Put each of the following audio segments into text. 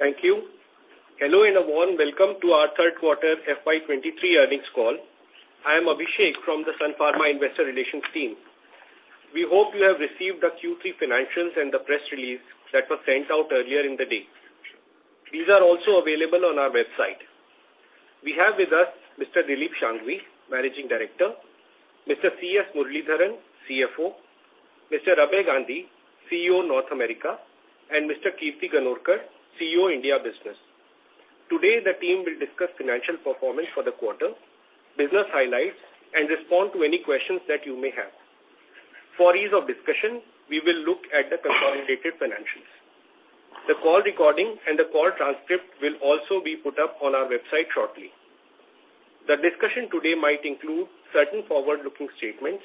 Thank you. Hello, a warm welcome to our Third Quarter FY 23 Earnings call. I am Abhishek from the Sun Pharma Investor Relations team. We hope you have received the Q3 financials and the press release that were sent out earlier in the day. These are also available on our website. We have with us Mr. Dilip Shanghvi, Managing Director, Mr. C.S. Muralidharan, CFO, Mr. Abhay Gandhi, CEO, North America, and Mr. Kirti Ganorkar, CEO, India Business. Today, the team will discuss financial performance for the quarter, business highlights, and respond to any questions that you may have. For ease of discussion, we will look at the consolidated financials. The call recording and the call transcript will also be put up on our website shortly. The discussion today might include certain forward-looking statements,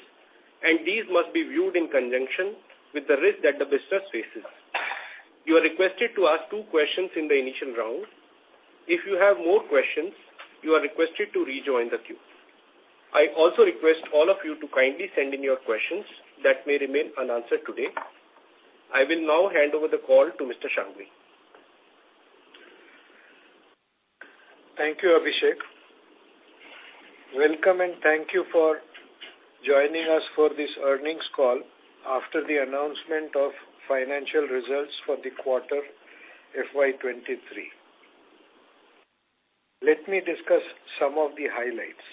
these must be viewed in conjunction with the risk that the business faces. You are requested to ask two questions in the initial round. If you have more questions, you are requested to rejoin the queue. I also request all of you to kindly send in your questions that may remain unanswered today. I will now hand over the call to Mr. Shanghvi. Thank you, Abhishek. Welcome, and thank you for joining us for this earnings call after the announcement of financial results for the quarter FY 2023. Let me discuss some of the highlights.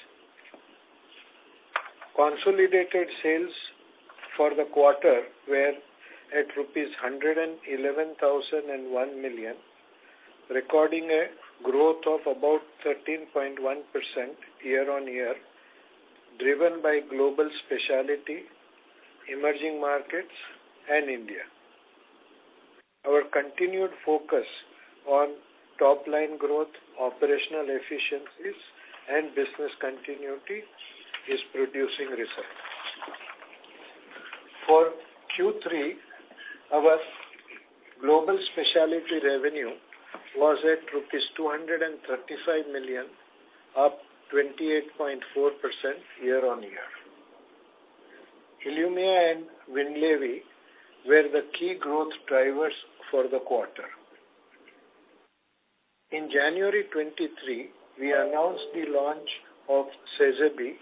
Consolidated sales for the quarter were at rupees 111,001 million, recording a growth of about 13.1% year-on-year, driven by global specialty, emerging markets, and India. Our continued focus on top line growth, operational efficiencies, and business continuity is producing results. For Q3, our global specialty revenue was at rupees 235 million, up 28.4% year-on-year. ILUMYA and WINLEVI were the key growth drivers for the quarter. In January 2023, we announced the launch of SEZABY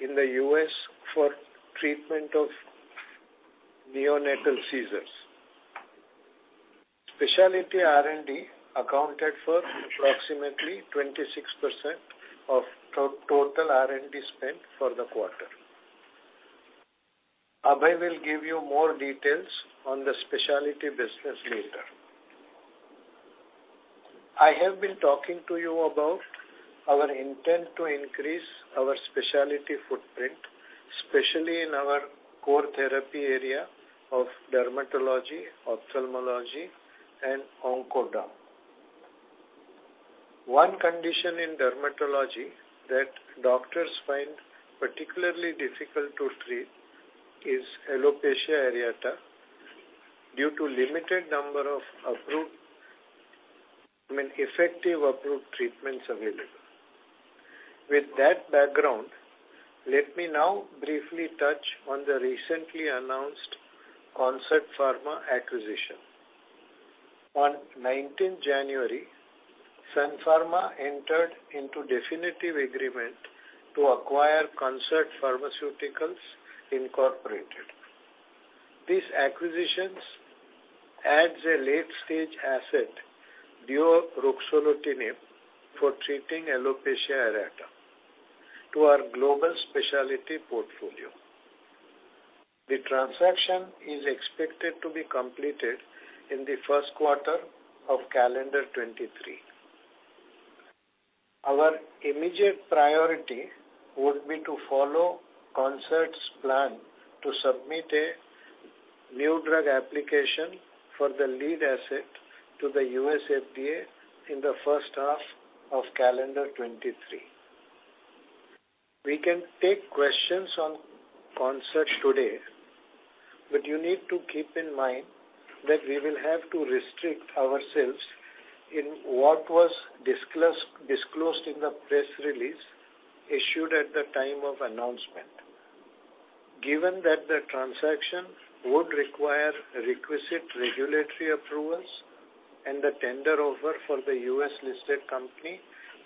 in the U.S. for treatment of neonatal seizures. Specialty R&D accounted for approximately 26% of total R&D spend for the quarter. Abhay will give you more details on the specialty business later. I have been talking to you about our intent to increase our specialty footprint, especially in our core therapy area of dermatology, ophthalmology, and onco-derma. One condition in dermatology that doctors find particularly difficult to treat is alopecia areata due to limited number of I mean, effective approved treatments available. With that background, let me now briefly touch on the recently announced Concert Pharma acquisition. On nineteenth January, Sun Pharma entered into definitive agreement to acquire Concert Pharmaceuticals Incorporated. This acquisitions adds a late-stage asset, deuruxolitinib, for treating alopecia areata to our global specialty portfolio. The transaction is expected to be completed in the first quarter of calendar 2023. Our immediate priority would be to follow Concert's plan to submit a New Drug Application for the lead asset to the U.S. FDA in the first half of calendar 2023. You need to keep in mind that we will have to restrict ourselves in what was disclosed in the press release issued at the time of announcement, given that the transaction would require requisite regulatory approvals and the tender offer for the U.S.-listed company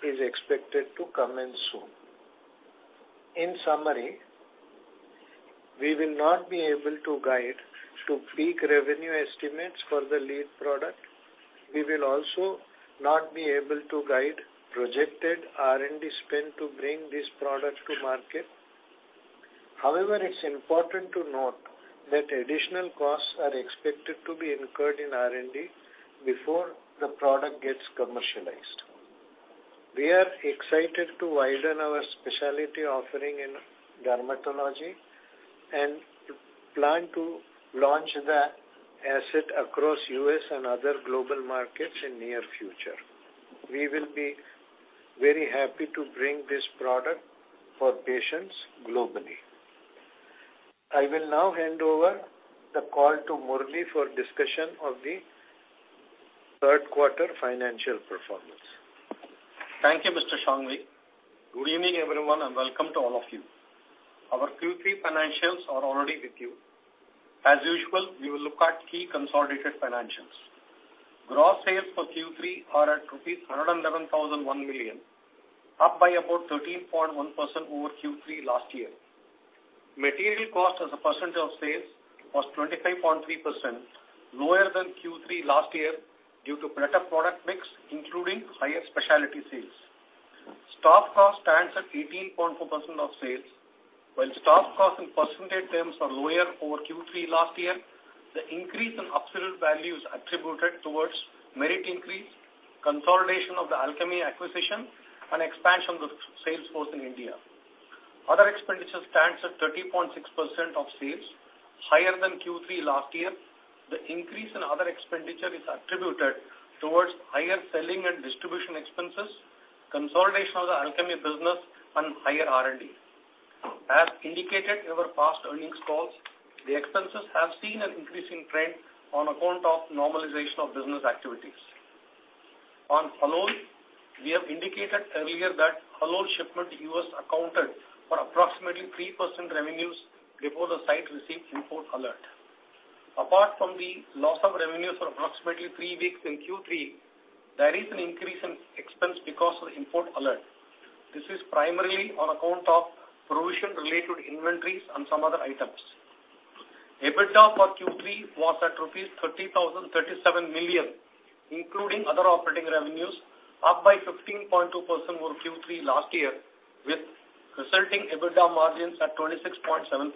is expected to commence soon. In summary, we will not be able to guide to peak revenue estimates for the lead product. We will also not be able to guide projected R&D spend to bring this product to market. However, it's important to note that additional costs are expected to be incurred in R&D before the product gets commercialized. We are excited to widen our specialty offering in dermatology and plan to launch the asset across U.S. and other global markets in near future. We will be very happy to bring this product for patients globally. I will now hand over the call to Murali for discussion of the third quarter financial performance. Thank you, Mr. Shanghvi. Good evening, everyone, and welcome to all of you. Our Q3 financials are already with you. As usual, we will look at key consolidated financials. Gross sales for Q3 are at rupees 111,001 million, up by about 13.1% over Q3 last year. Material cost as a percent of sales was 25.3%, lower than Q3 last year due to better product mix, including higher specialty sales. Staff cost stands at 18.4% of sales, while staff cost in percentage terms are lower over Q3 last year. The increase in absolute value is attributed towards merit increase, consolidation of the Alchemee acquisition and expansion of the sales force in India. Other expenditure stands at 30.6% of sales, higher than Q3 last year. The increase in other expenditure is attributed towards higher selling and distribution expenses, consolidation of the Alchemee business and higher R&D. As indicated in our past earnings calls, the expenses have seen an increasing trend on account of normalization of business activities. On Halol, we have indicated earlier that Halol shipment to U.S. accounted for approximately 3% revenues before the site received import alert. Apart from the loss of revenues for approximately three weeks in Q3, there is an increase in expense because of the import alert. This is primarily on account of provision related inventories and some other items. EBITDA for Q3 was at 30,037 million rupees, including other operating revenues, up by 15.2% over Q3 last year, with resulting EBITDA margins at 26.7%.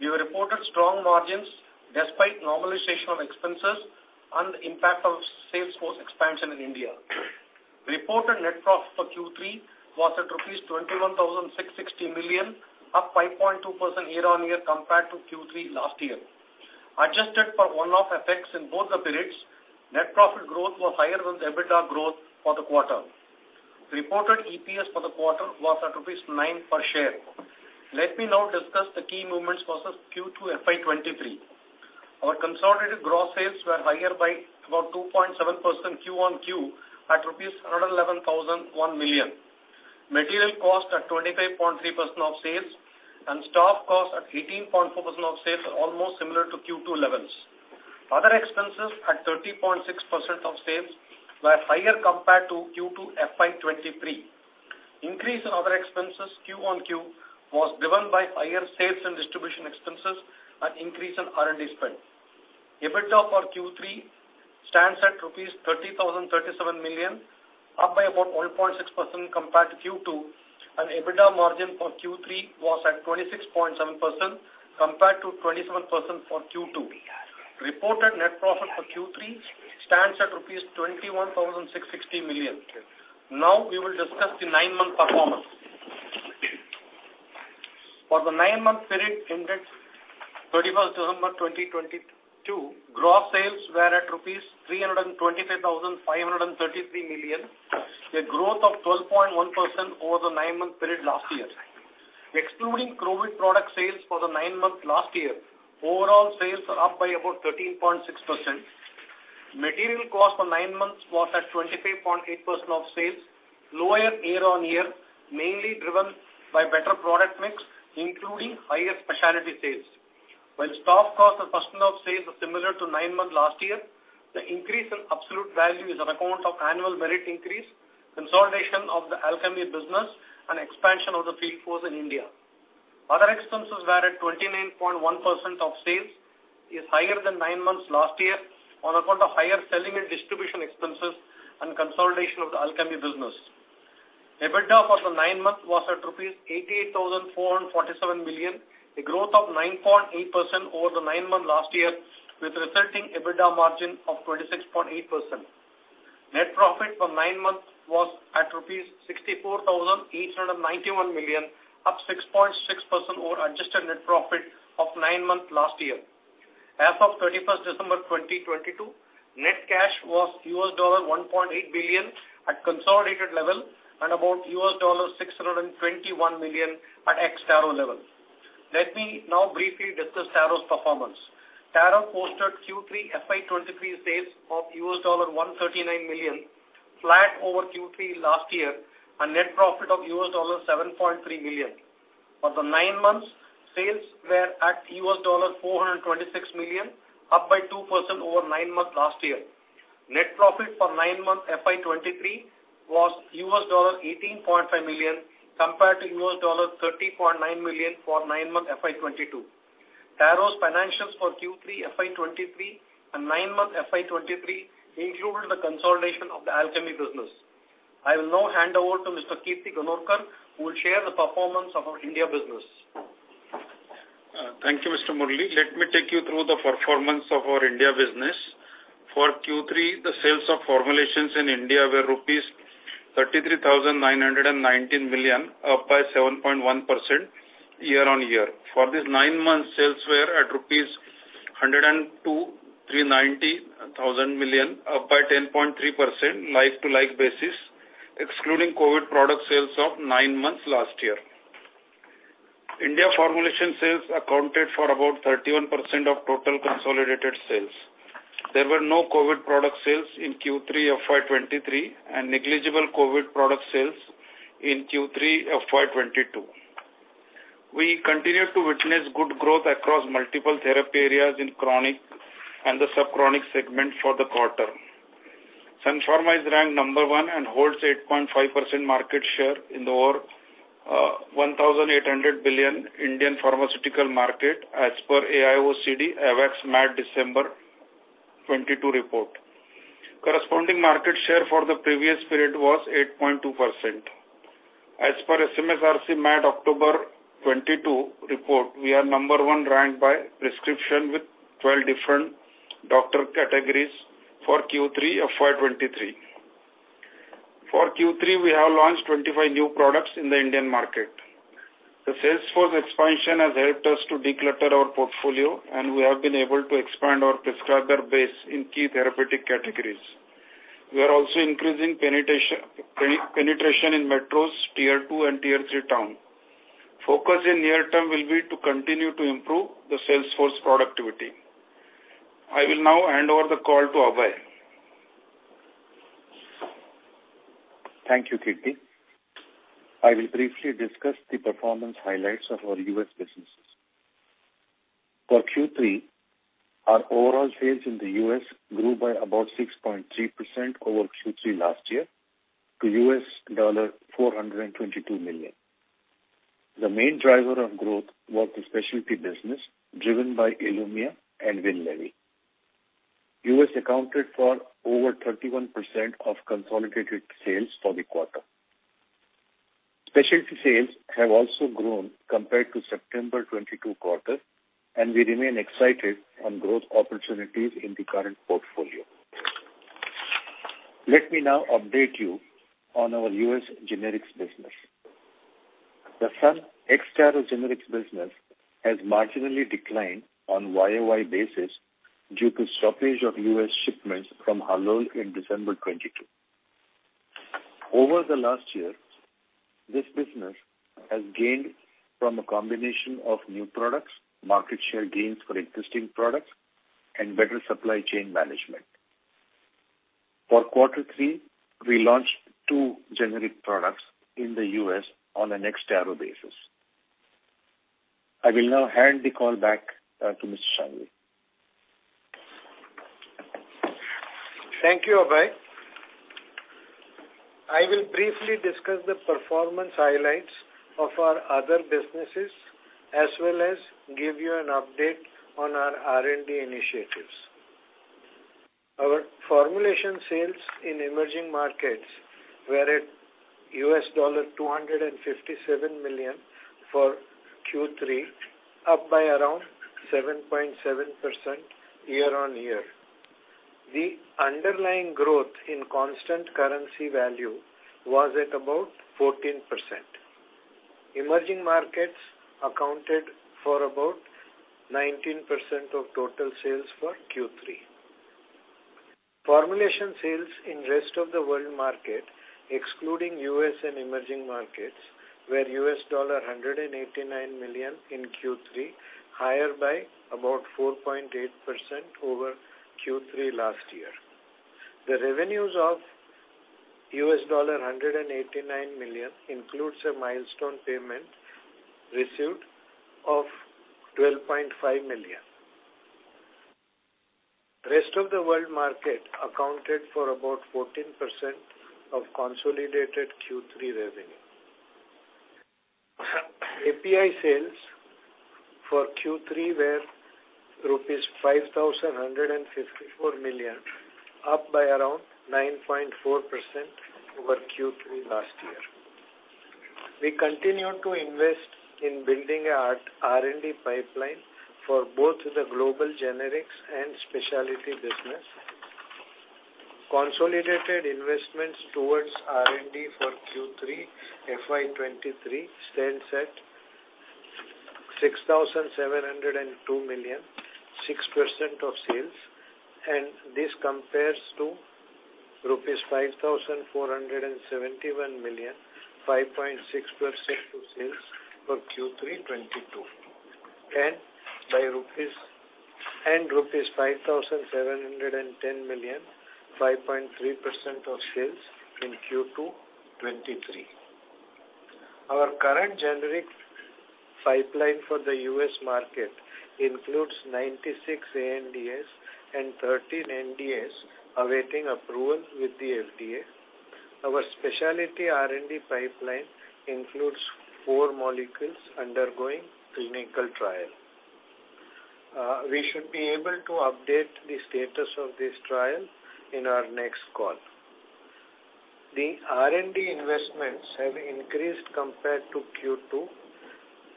We reported strong margins despite normalization of expenses and the impact of sales force expansion in India. Reported net profit for Q3 was at rupees 21,660 million, up 5.2% year-on-year compared to Q3 last year. Adjusted for one-off effects in both the periods, net profit growth was higher than the EBITDA growth for the quarter. Reported EPS for the quarter was at 9 per share. Let me now discuss the key movements versus Q2 FY 2023. Our consolidated gross sales were higher by about 2.7% Q-on-Q at rupees 111,001 million. Material cost at 25.3% of sales and staff cost at 18.4% of sales are almost similar to Q2 levels. Other expenses at 30.6% of sales were higher compared to Q2 FY 2023. Increase in other expenses Q-on-Q was driven by higher sales and distribution expenses and increase in R&D spend. EBITDA for Q3 stands at rupees 30,037 million, up by about 1.6% compared to Q2, and EBITDA margin for Q3 was at 26.7% compared to 27% for Q2. Reported net profit for Q3 stands at rupees 21,660 million. We will discuss the nine-month performance. For the nine-month period ended 31st December 2022, gross sales were at rupees 325,533 million, a growth of 12.1% over the nine-month period last year. Excluding COVID product sales for the nine months last year, overall sales are up by about 13.6%. Material cost for nine months was at 25.8% of sales, lower year-over-year, mainly driven by better product mix, including higher specialty sales. While staff cost as percentage of sales are similar to nine months last year, the increase in absolute value is on account of annual merit increase, consolidation of the Alchemee business and expansion of the field force in India. Other expenses were at 29.1% of sales, is higher than nine months last year on account of higher selling and distribution expenses and consolidation of the Alchemee business. EBITDA for the nine months was at rupees 88,447 million, a growth of 9.8% over the nine months last year, with resulting EBITDA margin of 26.8%. Net profit for nine months was at rupees 64,891 million, up 6.6% over adjusted net profit of nine months last year. As of December 31st, 2022, net cash was $1.8 billion at consolidated level and about $621 million at ex-Taro level. Let me now briefly discuss Taro's performance. Taro posted Q3 FY23 sales of $139 million, flat over Q3 last year, and net profit of $7.3 million. For the nine months, sales were at $426 million, up by 2% over nine months last year. Net profit for nine months FY23 was $18.5 million, compared to $30.9 million for nine months FY22. Taro's financials for Q3 FY 2023 and nine months FY 2023 included the consolidation of the Alchemee business. I will now hand over to Mr. Kirti Ganorkar, who will share the performance of our India business. Thank you, Mr. Murali. Let me take you through the performance of our India business. For Q3, the sales of formulations in India were rupees 33,919 million, up by 7.1% year-on-year. For these nine months, sales were at rupees 102 390,000 million, up by 10.3% like-to-like basis, excluding COVID product sales of nine months last year. India formulation sales accounted for about 31% of total consolidated sales. There were no COVID product sales in Q3 of FY 2023, and negligible COVID product sales in Q3 of FY 2022. We continue to witness good growth across multiple therapy areas in chronic and the subchronic segment for the quarter. Sun Pharma is ranked number one and holds 8.5% market share in the over 1,800 billion Indian pharmaceutical market as per AIOCD AWACS MAT December 2022 report. Corresponding market share for the previous period was 8.2%. As per SMSRC MAT October 2022 report, we are number one ranked by prescription with 12 different doctor categories for Q3 of FY 2023. For Q3, we have launched 25 new products in the Indian market. The sales force expansion has helped us to declutter our portfolio, and we have been able to expand our prescriber base in key therapeutic categories. We are also increasing penetration in metros tier two and tier three town. Focus in near term will be to continue to improve the sales force productivity. I will now hand over the call to Abhay. Thank you, Kirti. I will briefly discuss the performance highlights of our U.S. businesses. For Q3, our overall sales in the U.S. grew by about 6.3% over Q3 last year to $422 million. The main driver of growth was the specialty business driven by ILUMYA and WINLEVI. U.S. accounted for over 31% of consolidated sales for the quarter. Specialty sales have also grown compared to September 2022 quarter. We remain excited on growth opportunities in the current portfolio. Let me now update you on our U.S. generics business. The Sun X-Tero generics business has marginally declined on year-over-year basis due to stoppage of U.S. shipments from Halol in December 2022. Over the last year, this business has gained from a combination of new products, market share gains for existing products, and better supply chain management. For quarter three, we launched two generic products in the US on a Taro basis. I will now hand the call back to Mr. Shanghvi. Thank you, Abhay. I will briefly discuss the performance highlights of our other businesses as well as give you an update on our R&D initiatives. Our formulation sales in emerging markets were at $257 million for Q3, up by around 7.7% year-on-year. The underlying growth in constant currency value was at about 14%. Emerging markets accounted for about 19% of total sales for Q3. Formulation sales in rest of the world market, excluding U.S. and emerging markets, were $189 million in Q3, higher by about 4.8% over Q3 last year. The revenues of $189 million includes a milestone payment received of $12.5 million. Rest of the world market accounted for about 14% of consolidated Q3 revenue. API sales for Q3 were rupees 5,154 million, up by around 9.4% over Q3 last year. We continue to invest in building our R&D pipeline for both the global generics and specialty business. Consolidated investments towards R&D for Q3 FY23 stands at 6,702 million, 6% of sales. This compares to rupees 5,471 million, 5.6% of sales for Q3 2022, and rupees 5,710 million, 5.3% of sales in Q2 '23. Our current generic pipeline for the U.S. market includes 96 ANDAs and 13 NDAs awaiting approval with the FDA. Our specialty R&D pipeline includes four molecules undergoing clinical trial. We should be able to update the status of this trial in our next call. The R&D investments have increased compared to Q2,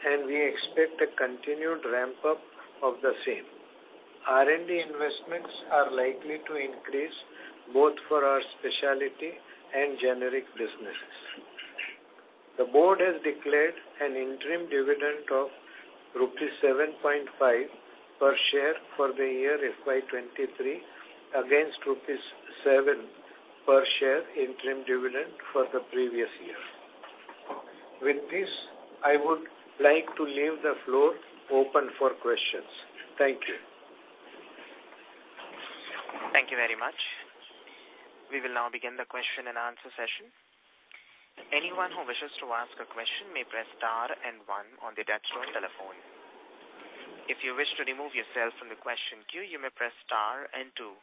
and we expect a continued ramp up of the same. R&D investments are likely to increase both for our specialty and generic businesses. The board has declared an interim dividend of rupees 7.5 per share for the year FY 2023 against rupees 7 per share interim dividend for the previous year. With this, I would like to leave the floor open for questions. Thank you. Thank you very much. We will now begin the question and answer session. Anyone who wishes to ask a question may press star and one on the desktop telephone. If you wish to remove yourself from the question queue, you may press star and two.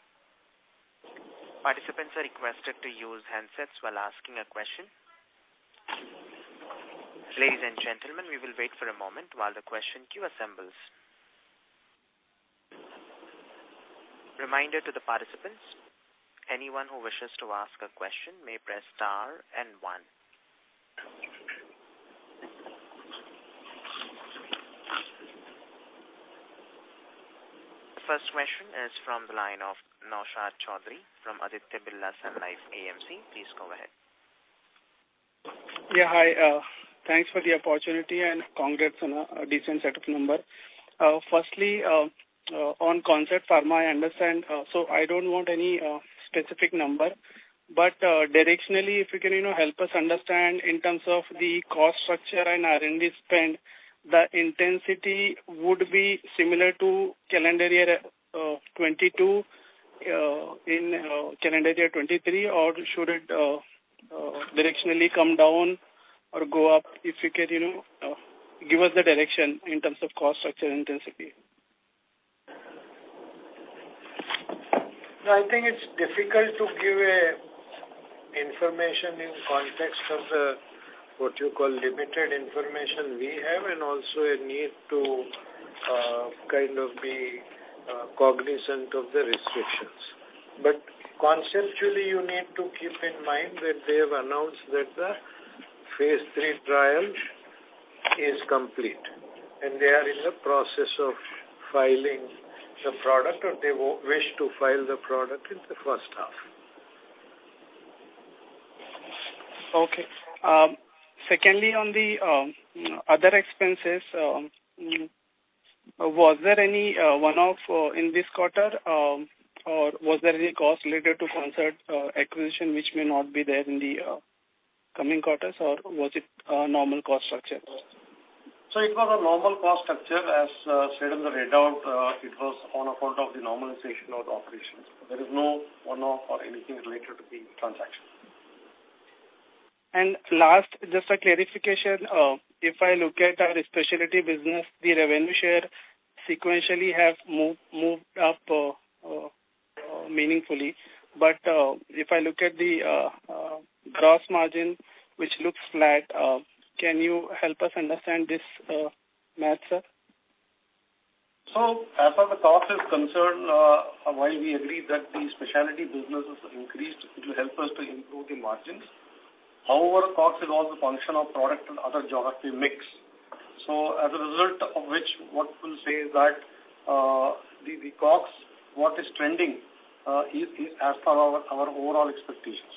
Participants are requested to use handsets while asking a question. Ladies and gentlemen, we will wait for a moment while the question queue assembles. Reminder to the participants, anyone who wishes to ask a question may press star and one. The first question is from the line of Naushad Chaudhary from Aditya Birla Sun Life AMC. Please go ahead. Yeah, hi. Thanks for the opportunity and congrats on a decent set of number. Firstly, on Concert Pharmaceuticals, I understand, so I don't want any specific number. Directionally, if you can, you know, help us understand in terms of the cost structure and R&D spend, the intensity would be similar to calendar year 2022 in calendar year 2023, or should it directionally come down or go up? If you could, you know, give us the direction in terms of cost structure intensity? No, I think it's difficult to give information in context of what you call limited information we have and also a need to kind of be cognizant of the restrictions. Conceptually, you need to keep in mind that they have announced that the phase III trial is complete, and they are in the process of filing the product, or they wish to file the product in the first half. Secondly, on the other expenses, was there any one-off in this quarter, or was there any cost related to Concert acquisition which may not be there in the coming quarters, or was it a normal cost structure? It was a normal cost structure. As said in the readout, it was on account of the normalization of the operations. There is no one-off or anything related to the transaction. Last, just a clarification. If I look at our specialty business, the revenue share sequentially have moved up, meaningfully. But, if I look at the gross margin, which looks flat, can you help us understand this matter? As far the COGS is concerned, while we agree that the speciality businesses have increased, it will help us to improve the margins. However, COGS is also a function of product and other geography mix. As a result of which, what we'll say is that the COGS, what is trending, is as per our overall expectations.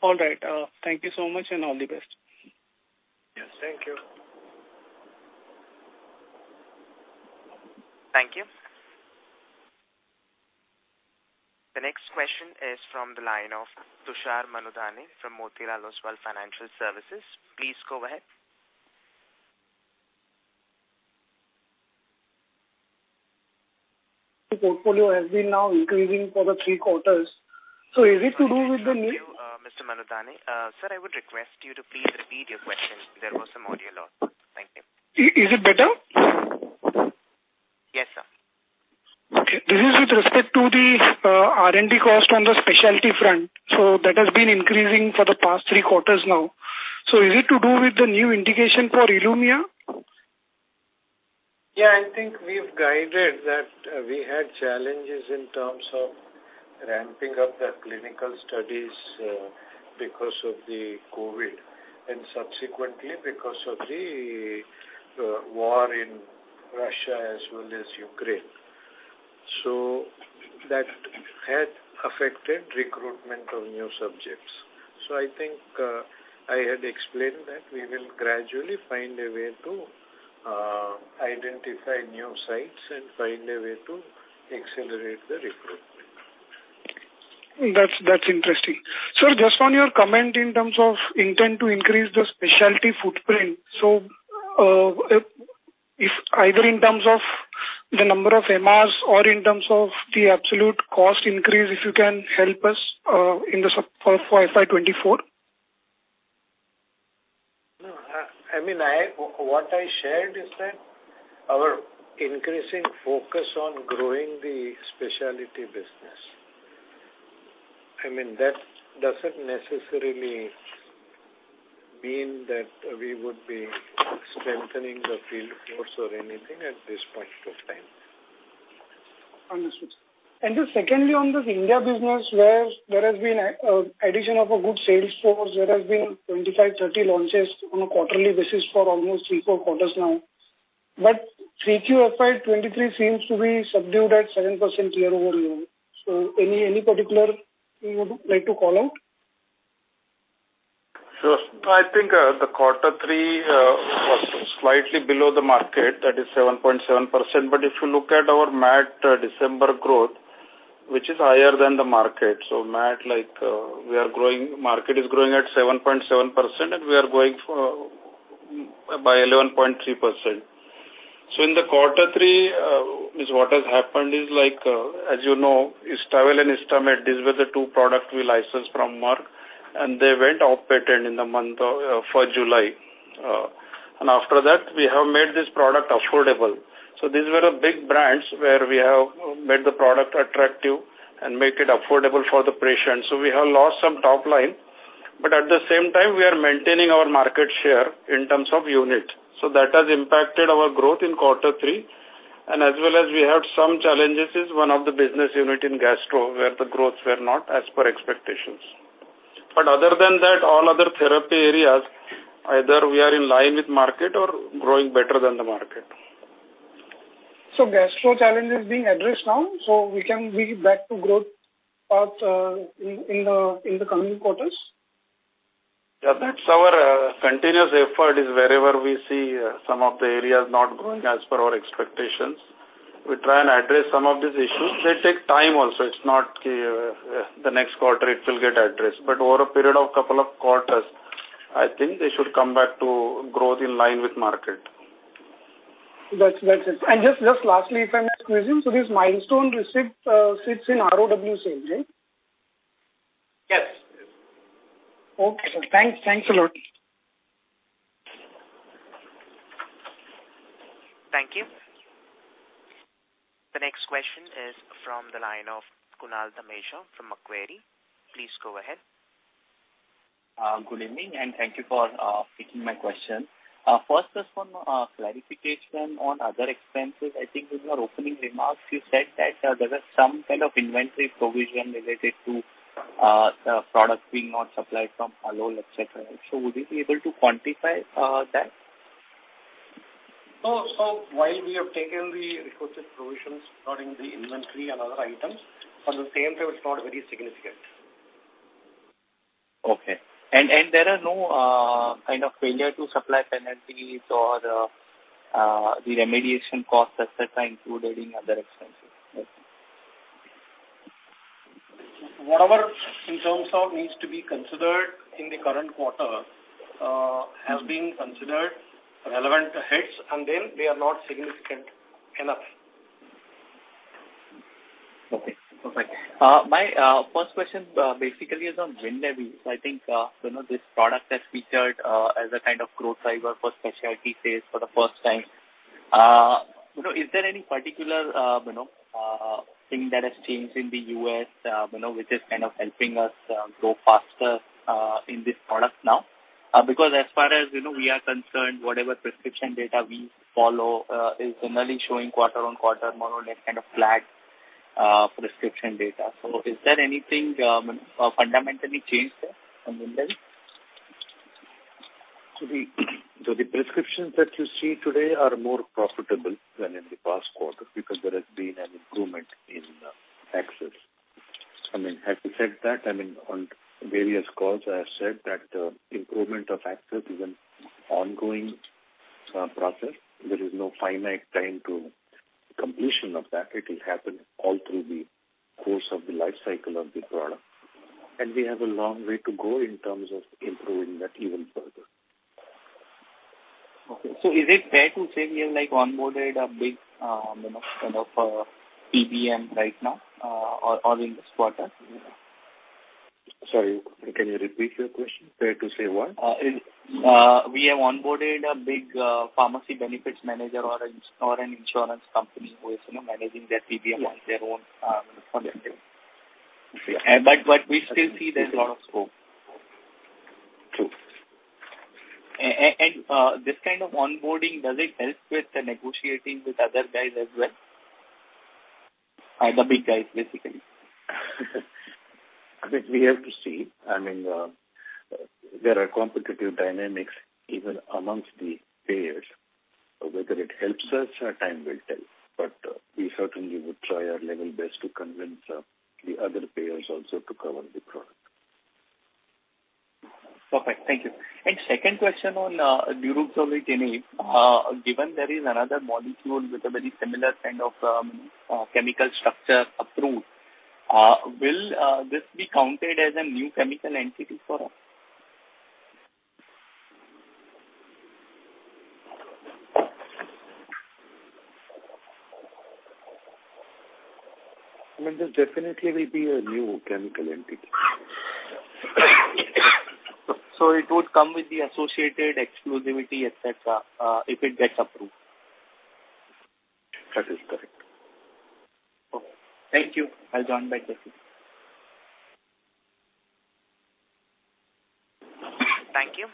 All right. Thank you so much, and all the best. Yes. Thank you. Thank you. The next question is from the line of Tushar Manudhane from Motilal Oswal Financial Services. Please go ahead. The portfolio has been now increasing for the three quarters. Is it to do with the new-? Thank you, Mr. Manudhane. Sir, I would request you to please repeat your question. There was some audio loss. Thank you. Is it better? Yes, sir. Okay. This is with respect to the R&D cost on the specialty front. That has been increasing for the past 3 quarters now. Is it to do with the new indication for ILUMYA? Yeah, I think we've guided that, we had challenges in terms of ramping up the clinical studies, because of the COVID and subsequently because of the, war in Russia as well as Ukraine. That had affected recruitment of new subjects. I think, I had explained that we will gradually find a way to, identify new sites and find a way to accelerate the recruitment. That's interesting. Sir, just on your comment in terms of intent to increase the specialty footprint. If either in terms of the number of MRs or in terms of the absolute cost increase, if you can help us in the sub for FY 2024? I mean, what I shared is that our increasing focus on growing the specialty business. I mean, that doesn't necessarily mean that we would be strengthening the field force or anything at this point of time. Understood. Just secondly, on this India business where there has been a addition of a good sales force, there has been 25 launches, 30 launches on a quarterly basis for almost three, four quarters now. 3Q of FY23 seems to be subdued at 7% year-over-year. Any particular thing you would like to call out? I think, the quarter three, was slightly below the market, that is 7.7%. If you look at our MAT, December growth, which is higher than the market. MAT like, market is growing at 7.7% and we are growing by 11.3%. In the quarter three, is what has happened is like, as you know, Estavel and Estamate, these were the two products we licensed from Merck, and they went off patent in the month for July. After that we have made this product affordable. These were the big brands where we have made the product attractive and make it affordable for the patients. We have lost some top line, but at the same time we are maintaining our market share in terms of unit. That has impacted our growth in quarter three. As well as we had some challenges is one of the business unit in Gastro where the growth were not as per expectations. Other than that, all other therapy areas, either we are in line with market or growing better than the market. Gastro challenge is being addressed now, so we can be back to growth path, in the coming quarters? That's our continuous effort is wherever we see some of the areas not growing as per our expectations, we try and address some of these issues. They take time also. It's not the next quarter it will get addressed, but over a period of couple of quarters, I think they should come back to growth in line with market. That's it. Just lastly, if I may ask you, this milestone receipt sits in ROW sales, right? Yes. Okay, sir. Thanks. Thanks a lot. Thank you. The next question is from the line of Kunal Dhamecha from Macquarie. Please go ahead. Good evening, thank you for taking my question. First just one clarification on other expenses. I think in your opening remarks you said that there was some kind of inventory provision related to products being not supplied from Halol, et cetera. Would you be able to quantify that? While we have taken the requested provisions during the inventory and other items, on the same level, it's not very significant. Okay. And there are no kind of failure to supply penalties or the remediation costs, et cetera, included in other expenses? Whatever in terms of needs to be considered in the current quarter, has been considered relevant hits and then they are not significant enough. Okay. Perfect. My first question basically is on WINLEVI. I think, you know, this product has featured as a kind of growth driver for specialty sales for the first time. You know, is there any particular, you know, thing that has changed in the US, you know, which is kind of helping us grow faster in this product now? As far as, you know, we are concerned, whatever prescription data we follow, is generally showing quarter-on-quarter more or less kind of flat prescription data. Is there anything fundamentally changed there on WINLEVI? The prescriptions that you see today are more profitable than in the past quarter because there has been an improvement in access. I mean, having said that, I mean, on various calls I have said that, improvement of access is an ongoing process. There is no finite time to completion of that. It will happen all through the course of the life cycle of the product. We have a long way to go in terms of improving that even further. Okay. Is it fair to say we have like onboarded a big, you know, kind of, PBM right now, or in this quarter? Sorry, can you repeat your question? Fair to say what? We have onboarded a big, pharmacy benefits manager or an insurance company who is, you know, managing their PBM on their own. Correct. We still see there's a lot of scope. True. This kind of onboarding, does it help with the negotiating with other guys as well? The big guys basically. I think we have to see. I mean, there are competitive dynamics even amongst the payers. Whether it helps us, time will tell. We certainly would try our level best to convince, the other payers also to cover the product. Perfect. Thank you. Second question on Durubisovogene. Given there is another molecule with a very similar kind of chemical structure approved, will this be counted as a new chemical entity for us? I mean, this definitely will be a new chemical entity. It would come with the associated exclusivity, et cetera, if it gets approved? That is correct. Okay. Thank you. I'll join back with you. Thank you.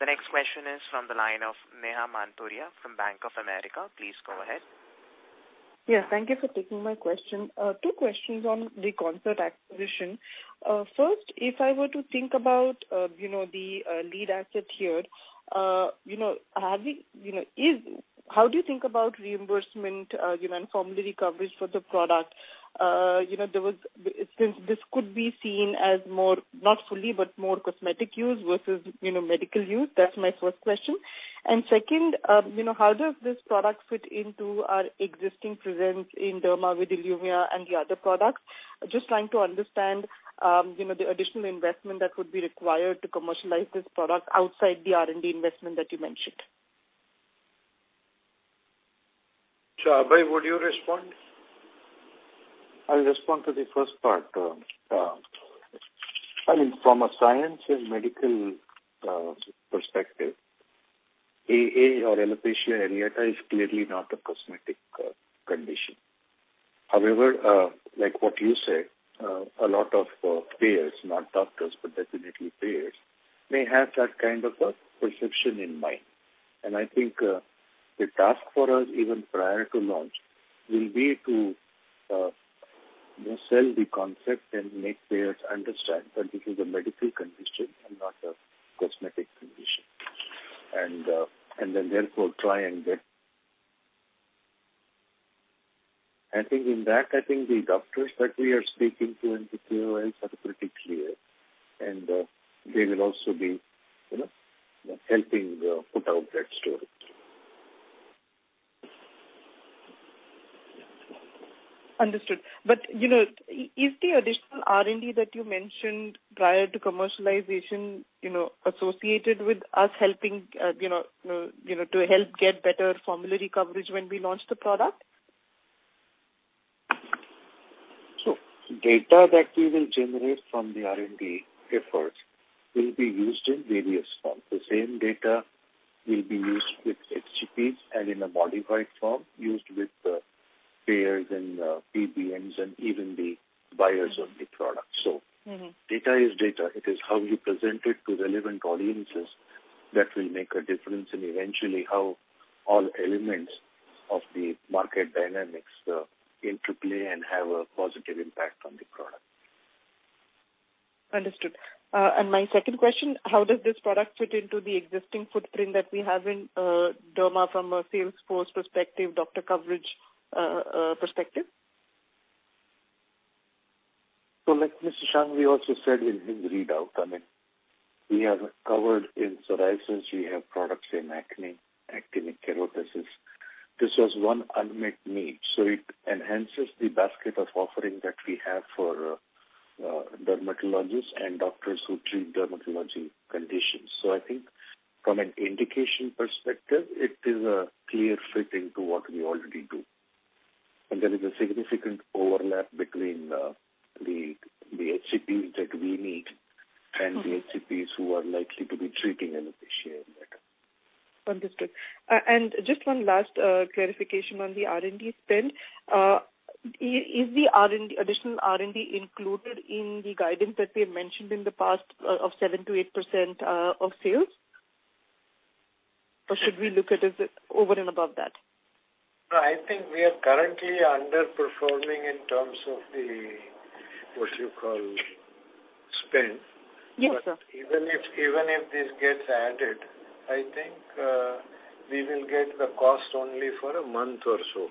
The next question is from the line of Neha Manpuria from Bank of America. Please go ahead. Yeah. Thank you for taking my question. Two questions on the Concert acquisition. First, if I were to think about, you know, the lead asset here, you know, how do you think about reimbursement, given formulary coverage for the product? You know, there was since this could be seen as more, not fully, but more cosmetic use versus, you know, medical use. That's my first question. Second, you know, how does this product fit into our existing presence in derma with ILUMYA and the other products? Just trying to understand, you know, the additional investment that would be required to commercialize this product outside the R&D investment that you mentioned. Abhay, would you respond? I'll respond to the first part. I mean, from a science and medical perspective, AA or alopecia areata is clearly not a cosmetic condition. However, like what you said, a lot of payers, not doctors, but definitely payers may have that kind of a perception in mind. I think, the task for us even prior to launch will be to, you know, sell the concept and make payers understand that this is a medical condition and not a cosmetic condition. I think in that, I think the doctors that we are speaking to and the KOLs are pretty clear, they will also be, you know, helping put out that story. Understood. you know, is the additional R&D that you mentioned prior to commercialization, you know, associated with us helping, you know, to help get better formulary coverage when we launch the product? Data that we will generate from the R&D efforts will be used in various forms. The same data will be used with HCPs and in a modified form used with payers and PBMs and even the buyers of the product. Mm-hmm. Data is data. It is how you present it to relevant audiences that will make a difference in eventually how all elements of the market dynamics, interplay and have a positive impact on the product. Understood. My second question, how does this product fit into the existing footprint that we have in derma from a sales force perspective, doctor coverage, perspective? Like Mr. Shanghvi also said in his readout, I mean, we have covered in psoriasis, we have products in acne, actinic keratosis. This was one unmet need, so it enhances the basket of offering that we have for dermatologists and doctors who treat dermatology conditions. I think from an indication perspective, it is a clear fit into what we already do. There is a significant overlap between the HCPs that we meet. Mm-hmm. The HCPs who are likely to be treating alopecia areata. Understood. Just one last clarification on the R&D spend. Is the R&D, additional R&D included in the guidance that we have mentioned in the past, of 7%-8% of sales? Should we look at it as over and above that? I think we are currently underperforming in terms of the, what you call, spend. Yes, sir. Even if this gets added, I think, we will get the cost only for a month or so.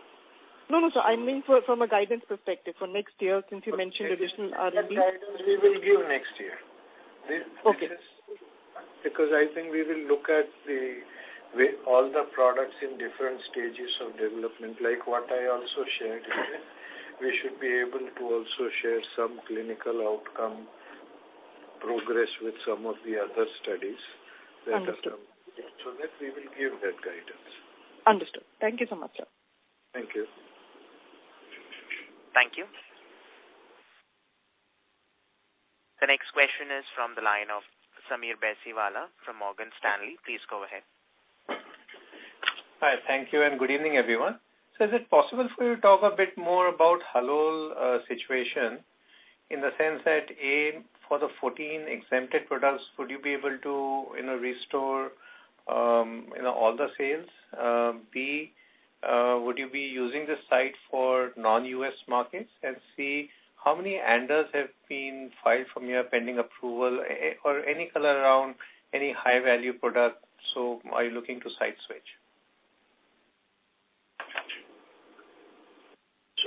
No, no, sir. I mean for, from a guidance perspective for next year, since you mentioned additional R&D. That guidance we will give next year. Okay. I think we will look at the way all the products in different stages of development, like what I also shared, we should be able to also share some clinical outcome progress with some of the other studies that are coming. Understood. That we will give that guidance. Understood. Thank you so much, sir. Thank you. Thank you. The next question is from the line of Sameer Baisiwala from Morgan Stanley. Please go ahead. Hi. Thank you and good evening, everyone. Is it possible for you to talk a bit more about Halol, situation in the sense that: A, for the 14 exempted products, would you be able to, you know, restore, you know, all the sales? B, would you be using the site for non-US markets? C, how many ANDAs have been filed from your pending approval, or any color around any high-value products? Are you looking to site switch?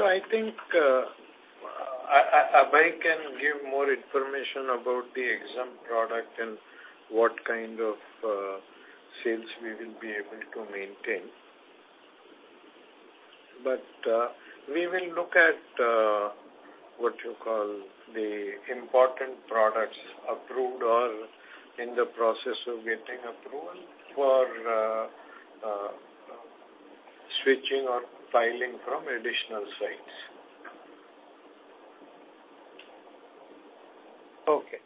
I think, Abhay can give more information about the exempt product and what kind of sales we will be able to maintain. We will look at what you call the important products approved or in the process of getting approval for switching or filing from additional sites. Okay.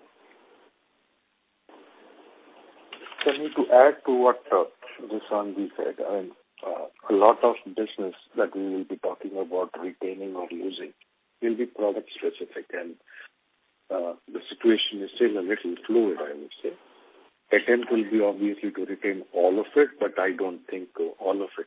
Just need to add to what, Mr. Shanghvi said. I mean, a lot of business that we will be talking about retaining or losing will be product specific. The situation is still a little fluid, I would say. Attempt will be obviously to retain all of it, but I don't think all of it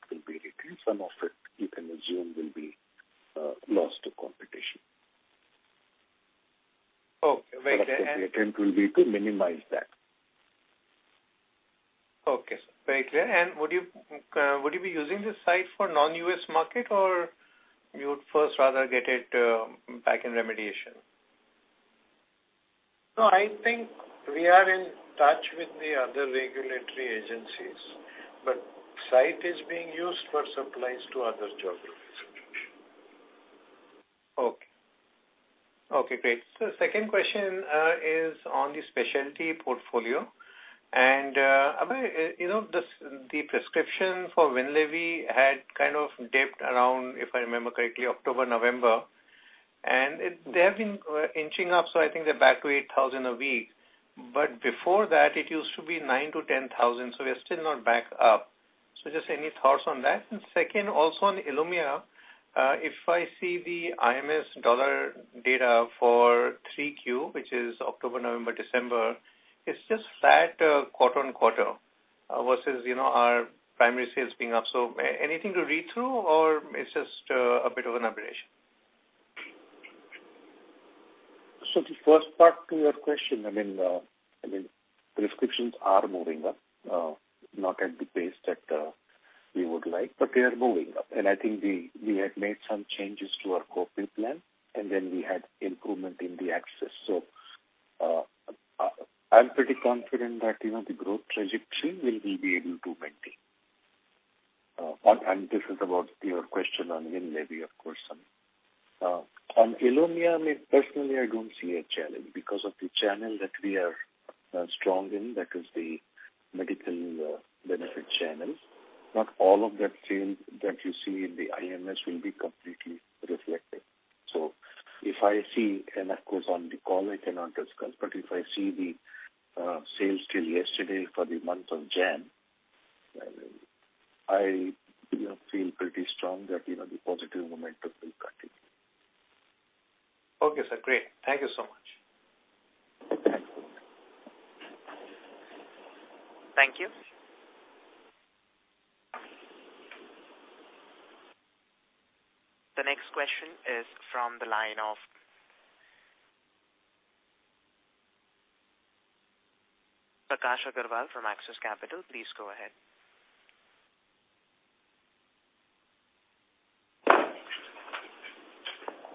will be retained. Some of it, you can assume, will be lost to competition. Okay. Very clear. The attempt will be to minimize that. Okay. Very clear. Would you be using this site for non-U.S. market, or you would first rather get it back in remediation? No, I think we are in touch with the other regulatory agencies, but site is being used for supplies to other geographies. Okay. Okay, great. Second question is on the specialty portfolio, and Abhay, you know, the prescription for WINLEVI had kind of dipped around, if I remember correctly, October, November, and they have been inching up, I think they're back to 8,000 a week. Before that, it used to be 9,000-10,000, they're still not back up. Just any thoughts on that? Second, also on ILUMYA, if I see the IMS dollar data for 3Q, which is October, November, December, it's just flat quarter-on-quarter versus, you know, our primary sales being up. Anything to read through, or it's just a bit of an aberration? The first part to your question, I mean, prescriptions are moving up, not at the pace that we would like, but they are moving up. I think we had made some changes to our co-pay plan, and then we had improvement in the access. I'm pretty confident that, you know, the growth trajectory we will be able to maintain. And this is about your question on WINLEVI, of course. On ILUMYA, I mean, personally, I don't see a challenge because of the channel that we are strong in, that is the medical benefit channels. Not all of that sales that you see in the IMS will be completely reflected. If I see, and of course, on the call, I cannot discuss, but if I see the sales till yesterday for the month of Jan, I, you know, feel pretty strong that, you know, the positive momentum will continue. Okay, sir. Great. Thank you so much. Thank you. Thank you. The next question is from the line of Prakash Agarwal from Axis Capital. Please go ahead.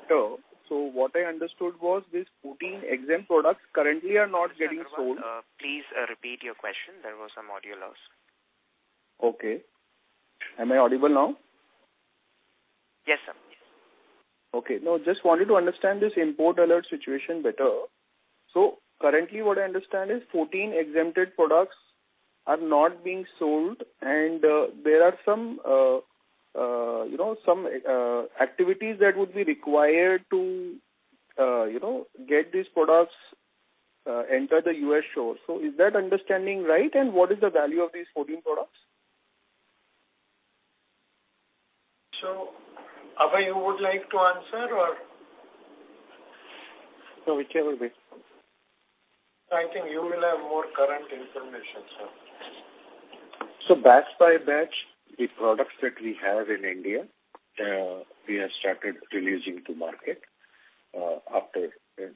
Hello. what I understood was these 14 exempt products currently are not getting sold. Mr. Agarwal, please repeat your question. There was some audio loss. Okay. Am I audible now? Yes, sir. Okay. No, just wanted to understand this import alert situation better. Currently, what I understand is 14 exempted products are not being sold, and, you know, some activities that would be required to, you know, get these products enter the U.S. shore. Is that understanding right, and what is the value of these 14 products? Abhay, you would like to answer or? No, whichever way. I think you will have more current information, sir. Batch by batch, the products that we have in India, we have started releasing to market after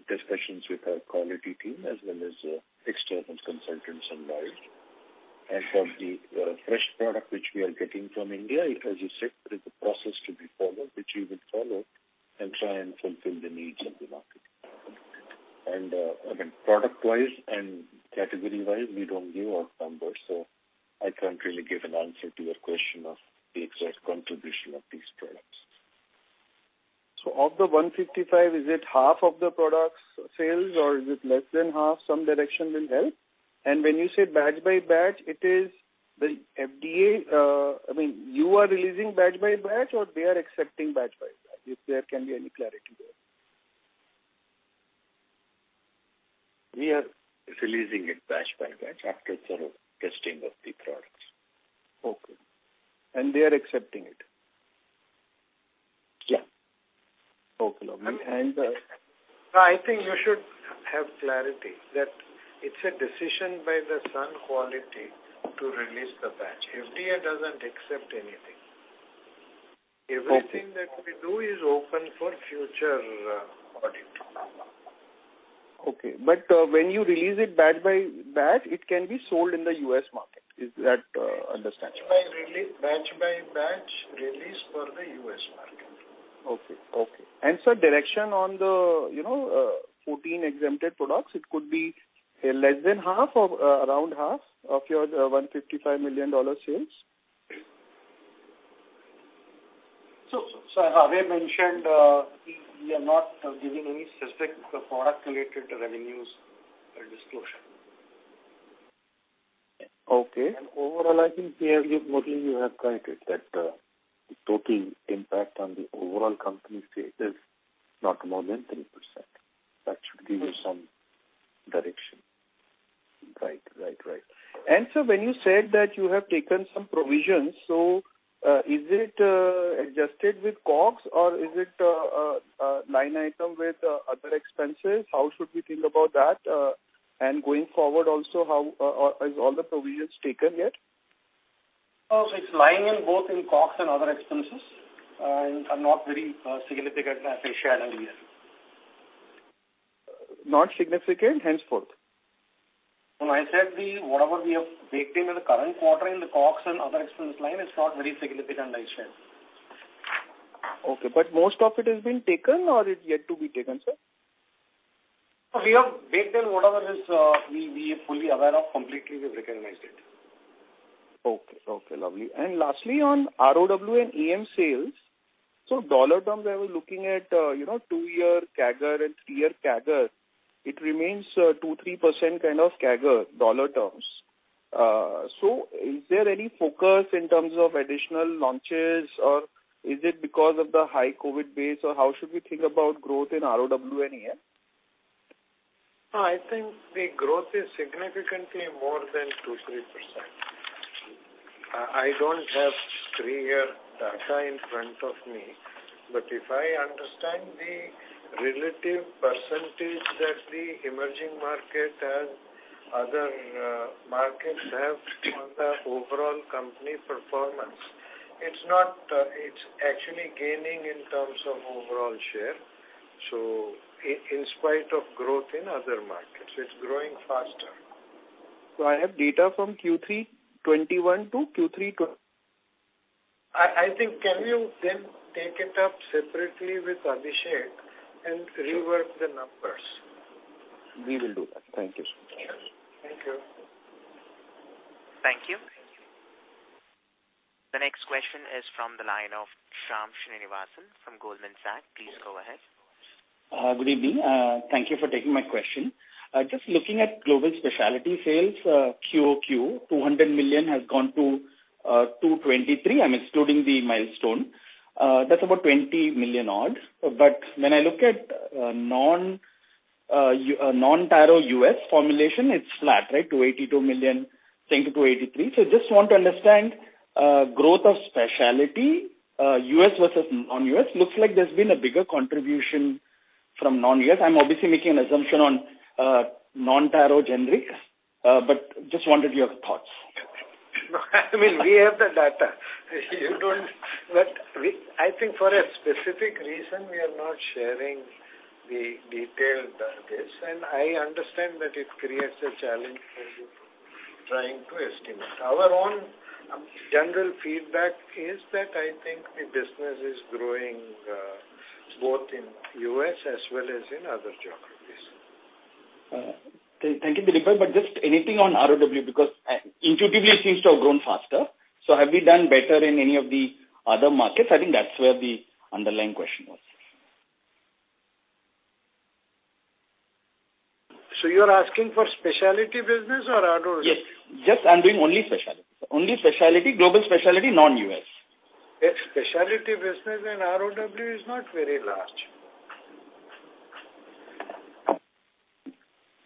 discussions with our quality team as well as external consultants involved. For the fresh product which we are getting from India, as you said, there is a process to be followed, which we will follow and try and fulfill the needs of the market. Again, product wise and category wise, we don't give out numbers, so I can't really give an answer to your question of the exact contribution of these products. Of the 155, is it half of the products sales or is it less than half? Some direction will help. When you say batch by batch, it is the FDA... I mean, you are releasing batch by batch or they are accepting batch by batch? If there can be any clarity there. We are releasing it batch by batch after thorough testing of the products. Okay. They are accepting it? Yeah. Okay. Lovely. I think you should have clarity that it's a decision by the Sun quality to release the batch. FDA doesn't accept anything. Okay. Everything that we do is open for future audit. Okay. When you release it batch by batch, it can be sold in the U.S. market. Is that understanding? Batch by batch release for the U.S. market. Okay. Okay. Direction on the, you know, 14 exempted products, it could be less than half or around half of your $155 million sales? Abhay mentioned, we are not giving any specific product related revenues or disclosure. Okay. Overall, I think we have given modeling. You have got it, that, the total impact on the overall company sales is not more than 3%. That should give you some direction. Right. When you said that you have taken some provisions, is it adjusted with COGS or is it a line item with other expenses? How should we think about that? Going forward also, how is all the provisions taken yet? It's lying in both in COGS and other expenses, and are not very significant as I shared earlier. Not significant henceforth? When I said whatever we have baked in in the current quarter in the COGS and other expense line, it's not very significant I shared. Okay. most of it has been taken or is yet to be taken, sir? We have baked in whatever is, we are fully aware of completely, we've recognized it. Okay. Okay, lovely. Lastly, on ROW and EM sales. Dollar terms, I was looking at, you know, two-year CAGR and three-year CAGR. It remains 2%-3% kind of CAGR dollar terms. Is there any focus in terms of additional launches, or is it because of the high COVID base? Or how should we think about growth in ROW and EM? No, I think the growth is significantly more than 2%-3%. I don't have three-year data in front of me, but if I understand the relative percentage that the emerging market has, other markets have on the overall company performance, it's not. It's actually gaining in terms of overall share. In spite of growth in other markets, it's growing faster. I have data from Q3 2021 to Q3. I think can you then take it up separately with Abhishek and rework the numbers? We will do that. Thank you, sir. Thank you. Thank you. The next question is from the line of Shyam Srinivasan from Goldman Sachs. Please go ahead. Good evening. Thank you for taking my question. Just looking at global specialty sales, QOQ, $200 million has gone to $223 million. I'm excluding the milestone. That's about $20 million odd. When I look at non-Taro US formulation, it's flat, right? $282 million, same to $283 million. Just want to understand growth of specialty US versus non-US. Looks like there's been a bigger contribution from non-US. I'm obviously making an assumption on non-Taro generics, but just wanted your thoughts. I mean, we have the data. I think for a specific reason we are not sharing the detailed, this. I understand that it creates a challenge for you trying to estimate. Our own, general feedback is that I think the business is growing, both in U.S. as well as in other geographies. Thank you for the input, just anything on ROW because intuitively it seems to have grown faster. Have we done better in any of the other markets? I think that's where the underlying question was. You're asking for specialty business or ROW? Yes. Just I'm doing only specialty. Only specialty, global specialty, non-U.S. Specialty business in ROW is not very large.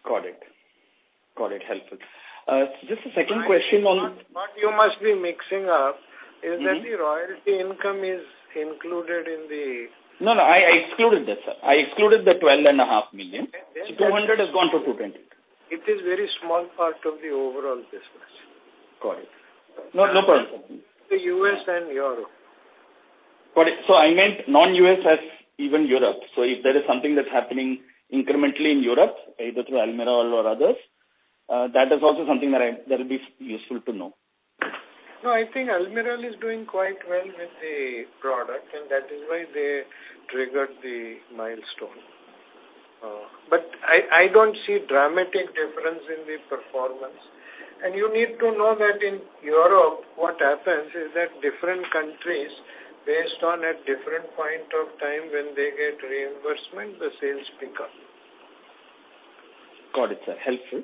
Got it. Got it. Helpful. Just a second question. What you must be mixing up is that the royalty income is included in the... No, no. I excluded that, sir. I excluded the twelve and a half million. Then, then- 200 has gone to 220. It is very small part of the overall business. Got it. No, no problem. The U.S. and Europe. Got it. I meant non-US as even Europe. If there is something that's happening incrementally in Europe, either through Almirall or others, that is also something that that'll be useful to know. No, I think Almirall is doing quite well with the product, and that is why they triggered the milestone. I don't see dramatic difference in the performance. You need to know that in Europe, what happens is that different countries, based on a different point of time when they get reimbursement, the sales pick up. Got it, sir. Helpful.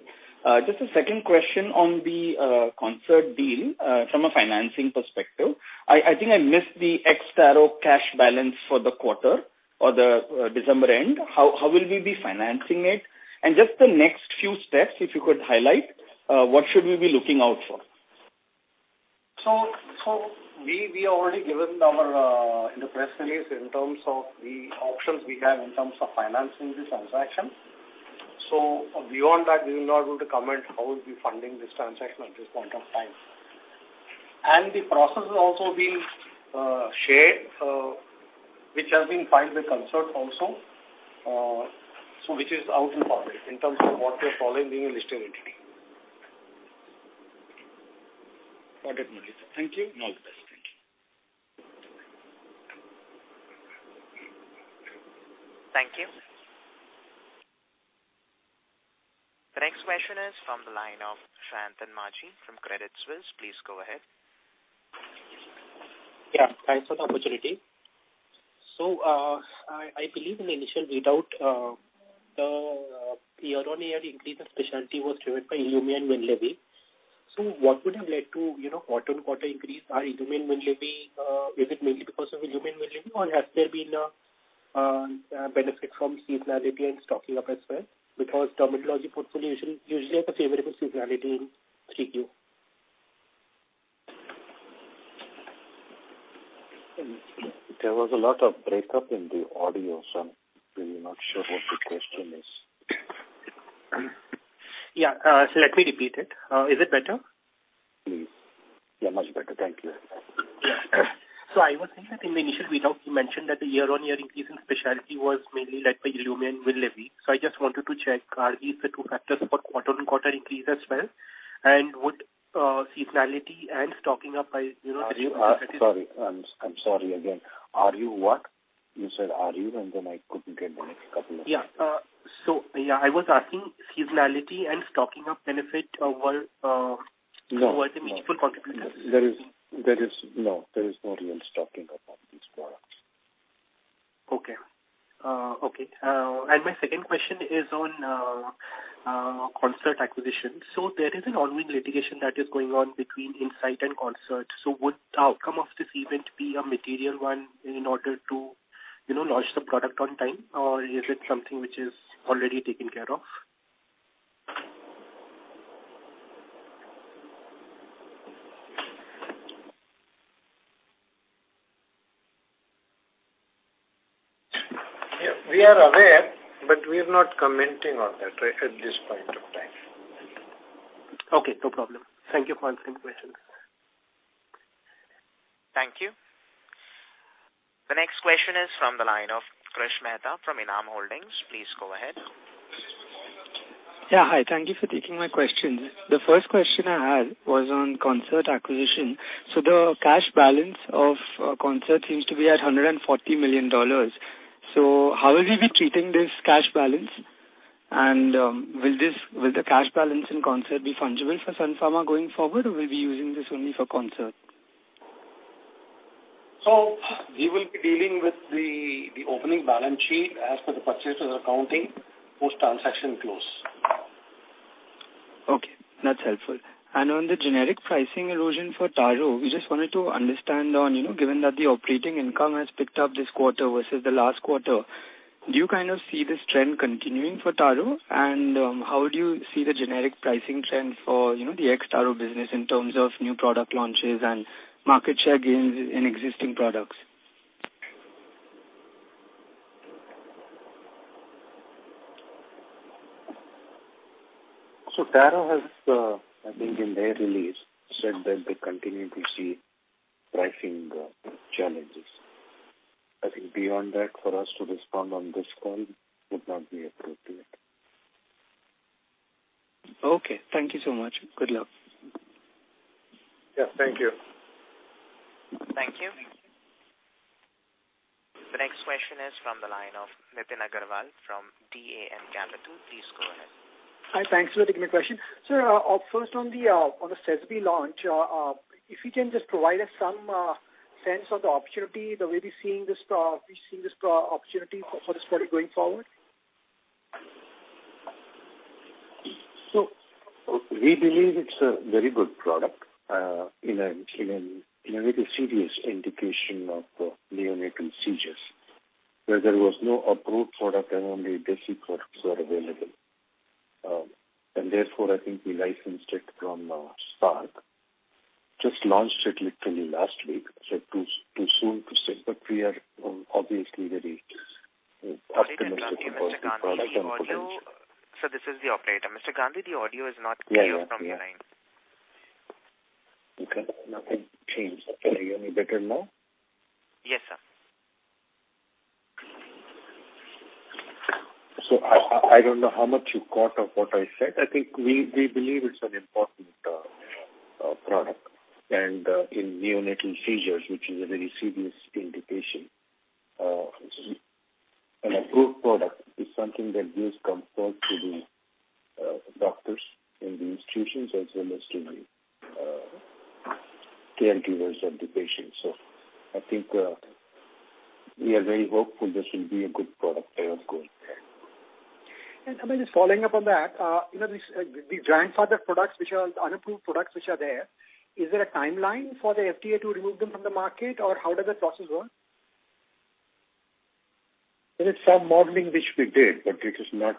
Just a second question on the Concert deal from a financing perspective. I think I missed the ex-Taro cash balance for the quarter or the December end. How will we be financing it? Just the next few steps, if you could highlight, what should we be looking out for? We already given our in the press release in terms of the options we have in terms of financing this transaction. Beyond that, we will not be able to comment how we'll be funding this transaction at this point of time. The process has also been shared, which has been filed with Concert also, which is out in public in terms of what we are following the listed entity. Got it. Thank you and all the best. Thank you. Thank you. The next question is from the line of Sayantan Maji from Credit Suisse. Please go ahead. Yeah, thanks for the opportunity. I believe in the initial readout, the year-on-year increase in specialty was driven by ILUMYA and WINLEVI. What would have led to, you know, quarter-on-quarter increase? Are ILUMYA and WINLEVI, is it mainly because of ILUMYA and WINLEVI, or has there been a benefit from seasonality and stocking up as well, because dermatology portfolio usually have a favorable seasonality in 3Q. There was a lot of breakup in the audio, so I'm really not sure what the question is. Let me repeat it. Is it better? Please. Yeah, much better. Thank you. I was saying that in the initial read-out, you mentioned that the year-over-year increase in specialty was mainly led by ILUMYA and WINLEVI. I just wanted to check, are these the two factors for quarter-over-quarter increase as well? Would seasonality and stocking up by, you know... Are you... Sorry. I'm sorry again. Are you what? You said, "Are you," and then I couldn't get the next couple of- Yeah. yeah, I was asking seasonality and stocking up benefit, were. No. Were the major contributors. There is no real stocking up on these products. Okay. Okay. My second question is on Concert acquisition. There is an ongoing litigation that is going on between Incyte and Concert. Would the outcome of this event be a material one in order to, you know, launch the product on time? Or is it something which is already taken care of? Yeah. We are aware, we're not commenting on that at this point of time. Okay, no problem. Thank you for answering the questions. Thank you. The next question is from the line of Krish Mehta from Enam Holdings. Please go ahead. Hi. Thank you for taking my questions. The first question I had was on Concert acquisition. The cash balance of Concert seems to be at $140 million. How will you be treating this cash balance? Will the cash balance in Concert be fungible for Sun Pharma going forward, or we'll be using this only for Concert? We will be dealing with the opening balance sheet as per the purchase of accounting post transaction close. Okay, that's helpful. On the generic pricing erosion for Taro, we just wanted to understand on, you know, given that the operating income has picked up this quarter versus the last quarter, do you kind of see this trend continuing for Taro? How do you see the generic pricing trend for, you know, the ex-Taro business in terms of new product launches and market share gains in existing products? Taro has, I think in their release said that they continue to see pricing challenges. I think beyond that, for us to respond on this call would not be appropriate. Okay. Thank you so much. Good luck. Yeah. Thank you. Thank you. The next question is from the line of Nithyanand R from DAM Capital. Please go ahead. Hi. Thanks for taking my question. Sir, first on the on the Sezaby launch, if you can just provide us some sense of the opportunity, the way we're seeing this opportunity for the study going forward? We believe it's a very good product in a very serious indication of neonatal seizures, where there was no approved product and only basic products were available. Therefore, I think we licensed it from SPARC. Just launched it literally last week, so too soon to say, but we are obviously very optimistic about the product. Mr. Gandhi, Sir, this is the operator. Mr. Gandhi, the audio is not clear from your end. Yeah, yeah. Okay. Nothing changed. Can you hear me better now? Yes, sir. I don't know how much you caught of what I said. I think we believe it's an important product. In neonatal seizures, which is a very serious indication, an approved product is something that gives comfort to the doctors in the institutions as well as to the caregivers of the patient. I think, we are very hopeful this will be a good product area of growth. I mean, just following up on that, you know, the grandfather products which are unapproved products which are there, is there a timeline for the FDA to remove them from the market, or how does that process work? There is some modeling which we did. It is not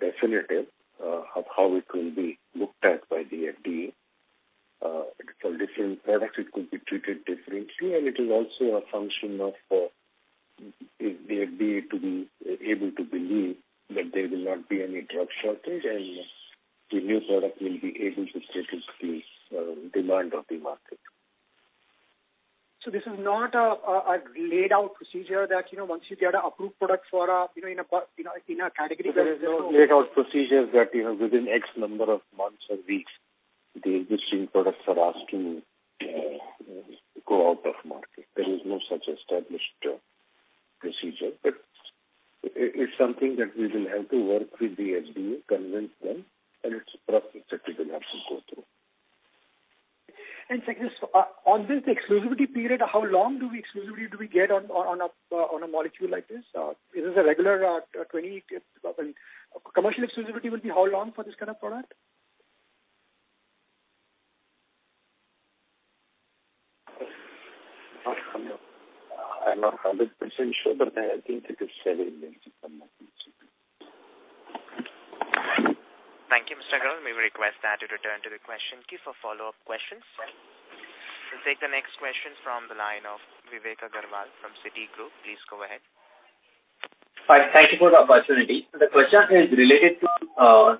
definitive of how it will be looked at by the FDA. For different products, it could be treated differently, and it is also a function of the FDA to be able to believe that there will not be any drug shortage and the new product will be able to take its place, demand of the market. This is not a laid out procedure that, you know, once you get an approved product for, you know, in a you know, in a category... There is no laid out procedure that, you know, within X number of months or weeks the existing products are asked to go out of market. There is no such established procedure. It's something that we will have to work with the FDA, convince them, and it's a process that we will have to go through. Second, on this exclusivity period, how long exclusivity do we get on a molecule like this? Is this a regular commercial exclusivity will be how long for this kind of product? I'm not 100% sure, but I think it is 7 million. Thank you, Mr. Agrawal. May we request that you return to the question queue for follow-up questions. We'll take the next question from the line of Vivek Agrawal from Citigroup. Please go ahead. Hi. Thank you for the opportunity. The question is related to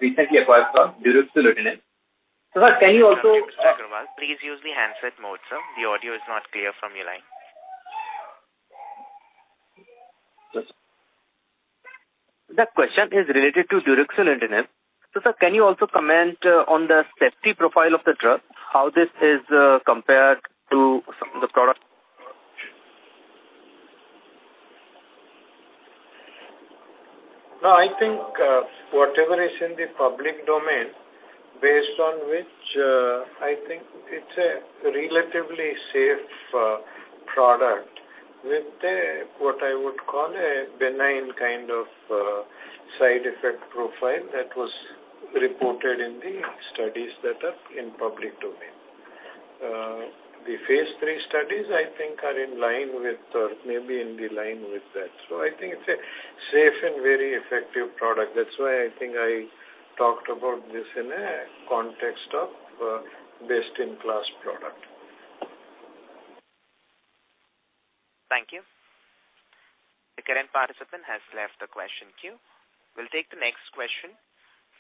recently acquired from deuruxolitinib. Mr. Agarwal, please use the handset mode, sir. The audio is not clear from your line. The question is related to duroxolotine. sir, can you also comment on the safety profile of the drug, how this is compared to some of the product? No, I think, whatever is in the public domain based on which, I think it's a relatively safe, product with a, what I would call a benign kind of, side effect profile that was reported in the studies that are in public domain. The phase III studies I think are in line with or maybe in the line with that. I think it's a safe and very effective product. That's why I think I talked about this in a context of, best-in-class product. Thank you. The current participant has left the question queue. We'll take the next question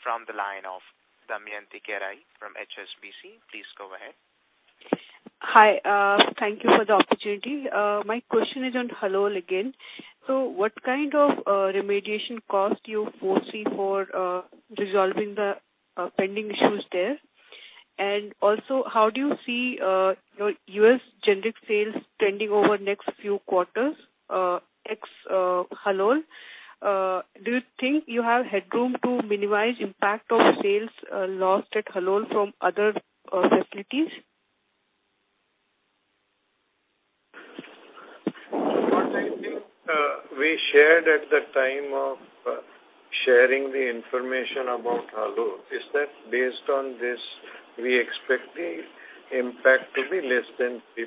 from the line of Damyanti Kerai from HSBC. Please go ahead. Hi, thank you for the opportunity. My question is on Halol again. What kind of remediation cost you foresee for resolving the pending issues there? Also, how do you see your U.S. generic sales trending over next few quarters, ex, Halol? Do you think you have headroom to minimize impact of sales lost at Halol from other facilities? What I think, we shared at the time of, sharing the information about Halol is that based on this, we expect the impact to be less than 3%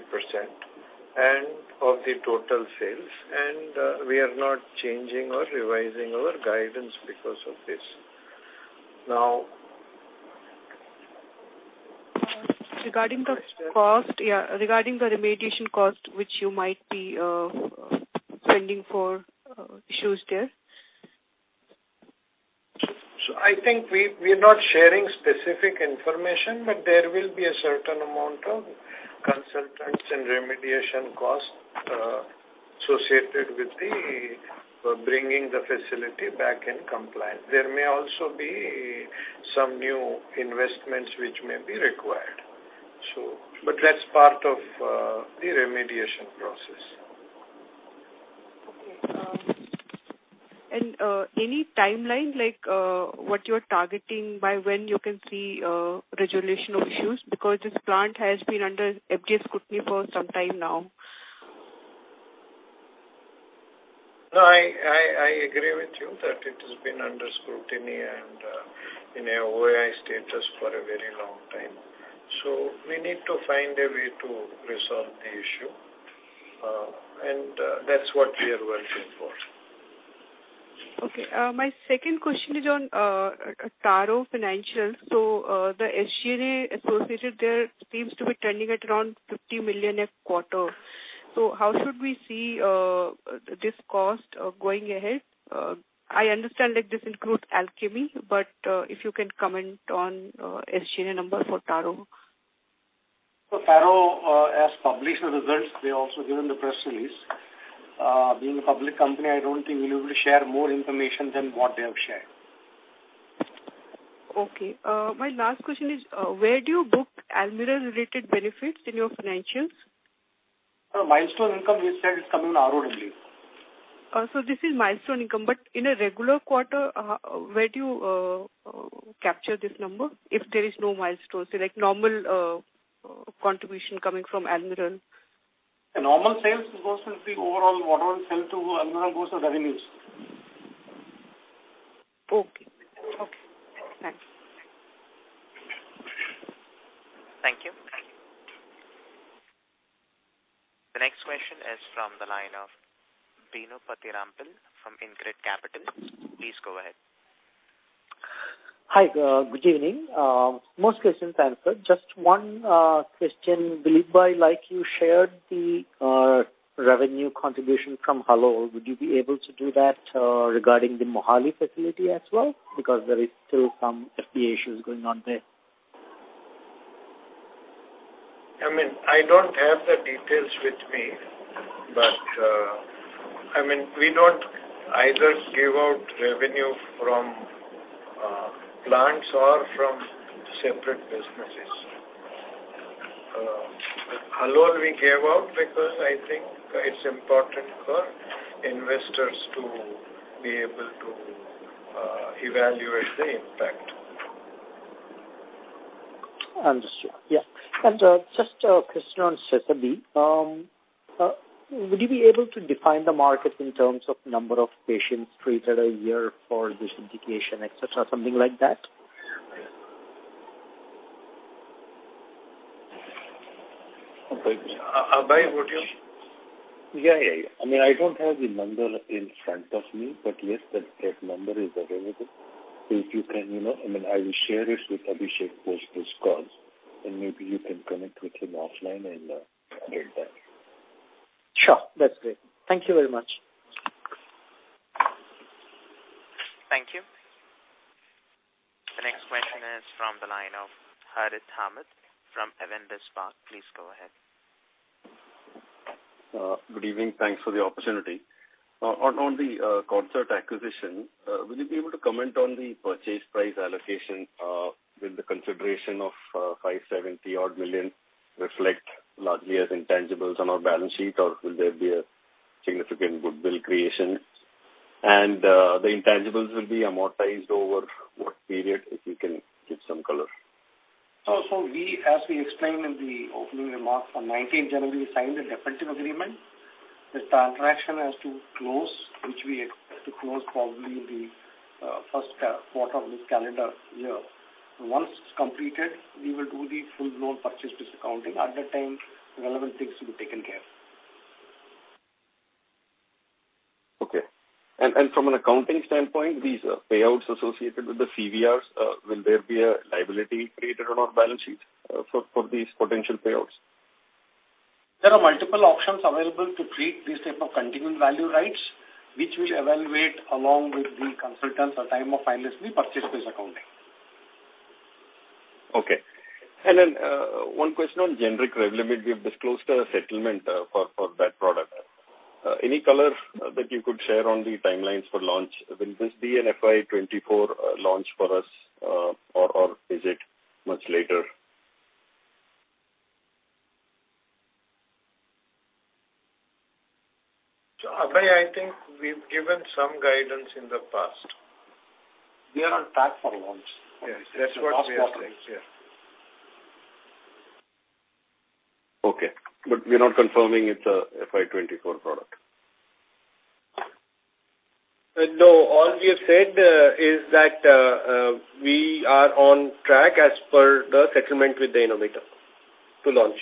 and of the total sales, and, we are not changing or revising our guidance because of this. Regarding the cost, yeah, regarding the remediation cost, which you might be spending for issues there. I think we're not sharing specific information, but there will be a certain amount of consultants and remediation costs associated with the bringing the facility back in compliance. There may also be some new investments which may be required. That's part of the remediation process. Okay. Any timeline like what you're targeting by when you can see resolution of issues? Because this plant has been under FDA scrutiny for some time now. No, I agree with you that it has been under scrutiny and in a OAI status for a very long time. We need to find a way to resolve the issue, and that's what we are working for. Okay. My second question is on Taro Financial. The SG&A associated there seems to be trending at around $50 million a quarter. How should we see this cost going ahead? I understand that this includes Alchemee, but if you can comment on SG&A number for Taro. Taro has published the results. They've also given the press release. Being a public company, I don't think we'll be able to share more information than what they have shared. Okay. my last question is, where do you book Almirall-related benefits in your financials? Milestone income we said is coming on RWD. This is milestone income, but in a regular quarter, where do you capture this number if there is no milestone? Say, like normal, contribution coming from Almirall. A normal sales goes into the overall, whatever we sell to Almirall goes to revenues. Okay. Okay. Thanks. Thank you. The next question is from the line of Bino Pathiparampil from InCred Capital. Please go ahead. Hi, good evening. Most questions answered. Just one question. Dilip bhai, like you shared the revenue contribution from Halol, would you be able to do that regarding the Mohali facility as well? Because there is still some FDA issues going on there. I mean, I don't have the details with me, but, I mean, we don't either give out revenue from plants or from separate businesses. Halol we gave out because I think it's important for investors to be able to evaluate the impact. Understood. Yeah. Just a question on Sezaby. Would you be able to define the market in terms of number of patients treated a year for this indication, et cetera, something like that? Abhay, would you? Yeah. I mean, I don't have the number in front of me, but yes, that number is available. If you can, you know, I mean, I will share it with Abhishek post this call, and maybe you can connect with him offline and get that. Sure. That's great. Thank you very much. Thank you. The next question is from the line of Harith Ahamed from Avendus Spark. Please go ahead. Good evening. Thanks for the opportunity. On the Concert acquisition, will you be able to comment on the purchase price allocation, with the consideration of $570 odd million reflect largely as intangibles on our balance sheet or will there be a significant goodwill creation? The intangibles will be amortized over what period, if you can give some color? we, as we explained in the opening remarks on 19th January, signed a definitive agreement. This transaction has to close, which we expect to close probably the first quarter of this calendar year. Once it's completed, we will do the full blown purchase discount. At that time, relevant things will be taken care. Okay. From an accounting standpoint, these payouts associated with the CVRs, will there be a liability created on our balance sheet, for these potential payouts? There are multiple options available to treat these type of contingent value rights, which we evaluate along with the consultants at time of finalizing the purchase price accounting. Okay. One question on generic Revlimid. We've disclosed a settlement for that product. Any color that you could share on the timelines for launch? Will this be an FY 2024 launch for us or is it much later? Abhay, I think we've given some guidance in the past. We are on track for launch. Yes, that's what we are saying. Yeah. Okay. We are not confirming it's a FY 2024 product. No. All we have said, is that, we are on track as per the settlement with the innovator to launch.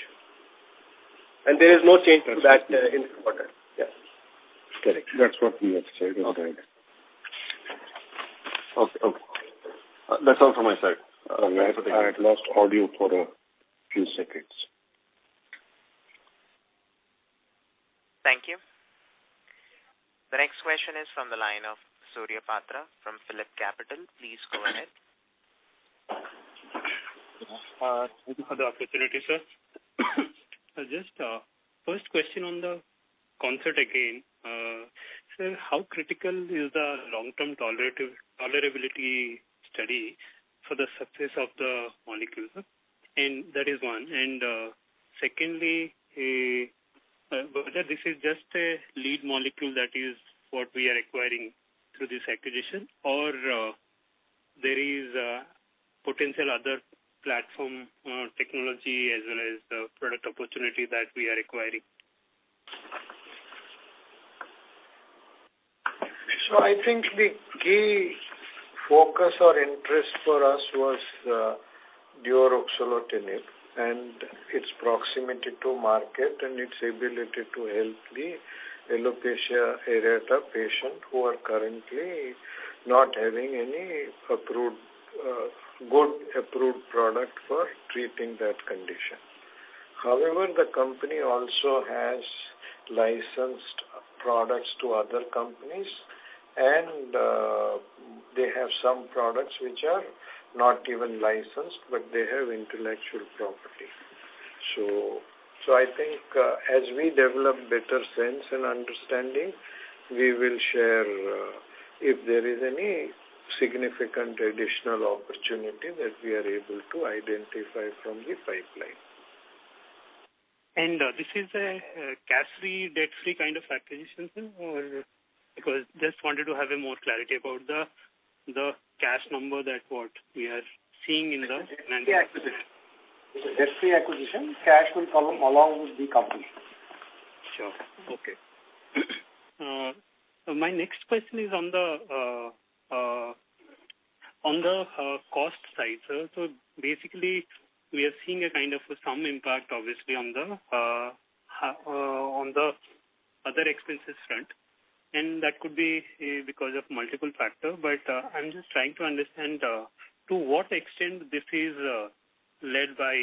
There is no change to that, in this quarter. Yeah. Correct. That's what we have said. Okay. Okay. That's all from my side. I had lost audio for a few seconds. Thank you. The next question is from the line of Surya Patra from PhillipCapital. Please go ahead. Thank you for the opportunity, sir. Just, first question on the Concert again. So how critical is the long-term tolerability study for the success of the molecule, sir? That is one. Secondly, whether this is just a lead molecule that is what we are acquiring through this acquisition or there is a potential other platform or technology as well as the product opportunity that we are acquiring. I think the key focus or interest for us was deuruxolitinib and its proximity to market and its ability to help the alopecia areata patient who are currently not having any approved, good approved product for treating that condition. However, the company also has licensed products to other companies and they have some products which are not even licensed, but they have intellectual property. I think, as we develop better sense and understanding, we will share if there is any significant additional opportunity that we are able to identify from the pipeline. This is a cash-free, debt-free kind of acquisition, sir? Because just wanted to have more clarity about the cash number that what we are seeing in the acquisition. It's a debt-free acquisition. Cash will follow along with the company. Sure. Okay. My next question is on the cost side, sir. Basically, we are seeing a kind of some impact obviously on the other expenses front, and that could be because of multiple factor. I'm just trying to understand to what extent this is led by,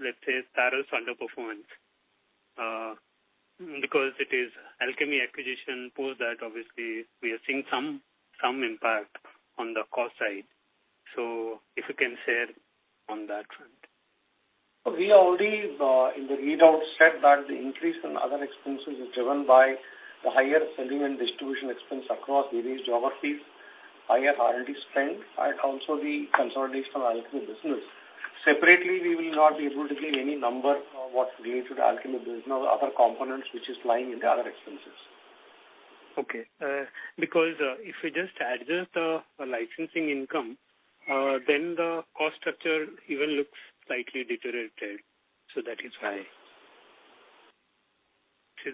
let's say, Taro's underperformance. Because it is Alchemee acquisition post that obviously we are seeing some impact on the cost side. If you can share on that front. We already in the readout said that the increase in other expenses is driven by the higher selling and distribution expense across various geographies, higher R&D spend, and also the consolidation of Alchemee business. Separately, we will not be able to give any number what's related to Alchemee business or other components which is lying in the other expenses. Okay. Because if we just adjust the licensing income, then the cost structure even looks slightly deteriorated. That is why.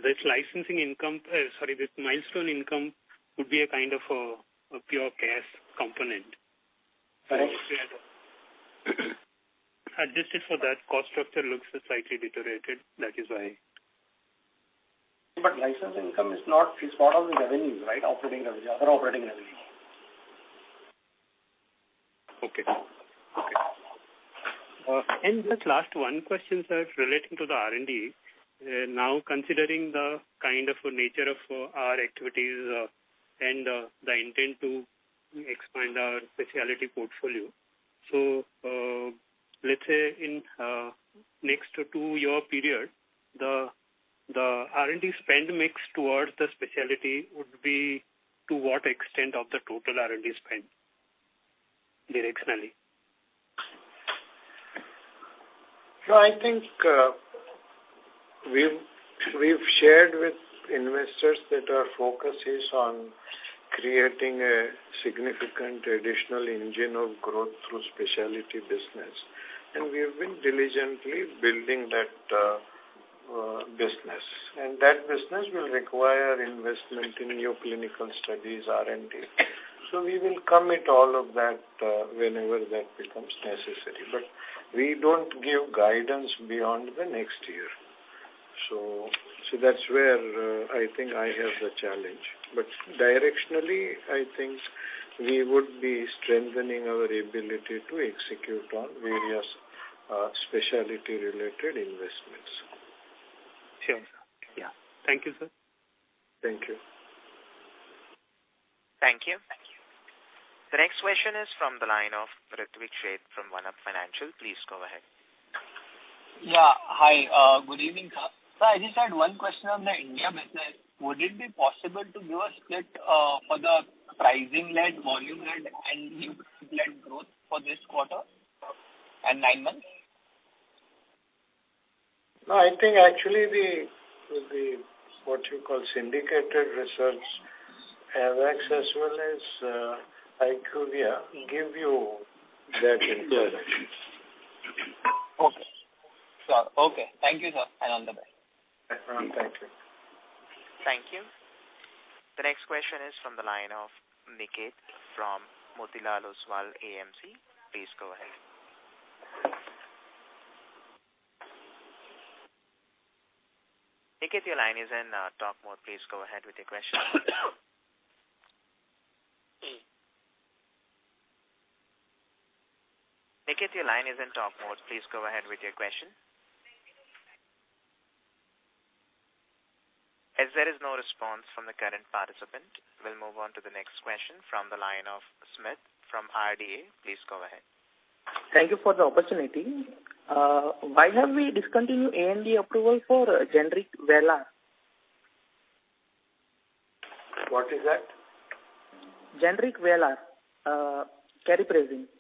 This licensing income... sorry, this milestone income would be a kind of a pure cash component. Right. Adjusted for that cost structure looks slightly deteriorated. That is why. License income is not, it's part of the revenue, right? Operating revenue, other operating revenue. Okay. Okay. Just last 1 question, sir, relating to the R&D. Now considering the kind of nature of our activities, and the intent to expand our specialty portfolio. Let's say in next 2-year period, the R&D spend mix towards the specialty would be to what extent of the total R&D spend directionally? I think we've shared with investors that our focus is on creating a significant additional engine of growth through specialty business. We have been diligently building that business. That business will require investment in new clinical studies, R&D. We will commit all of that whenever that becomes necessary. We don't give guidance beyond the next year. That's where I think I have the challenge. Directionally, I think we would be strengthening our ability to execute on various specialty related investments. Sure, sir. Yeah. Thank you, sir. Thank you. Thank you. The next question is from the line of Ritwik Sheth from B&K Securities. Please go ahead. Yeah. Hi. Good evening, sir. I just had one question on the India business. Would it be possible to give a split for the pricing led, volume led and new lead growth for this quarter and nine months? No, I think actually the what you call syndicated research, AX as well as IQVIA give you that information. Okay. Okay. Thank you, sir, and all the best. Thank you. Thank you. The next question is from the line of Niket from Motilal Oswal AMC. Please go ahead. Niket, your line is in talk mode. Please go ahead with your question. Niket, your line is in talk mode. Please go ahead with your question. As there is no response from the current participant, we'll move on to the next question from the line of Smith from RDA. Please go ahead. Thank you for the opportunity. Why have we discontinued AND approval for generic Welchol? What is that? Generic Welchol, cariprazine.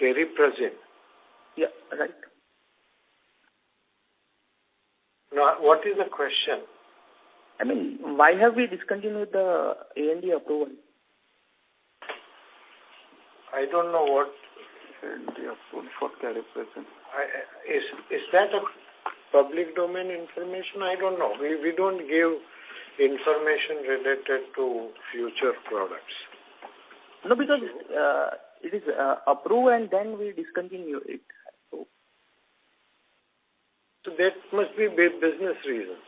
cariprazine? Yeah, right. What is the question? I mean, why have we discontinued the AND approval? I don't know what ANDA approval for cariprazine. Is that a public domain information? I don't know. We don't give information related to future products. No, because, it is, approved and then we discontinue it, so. That must be business reasons.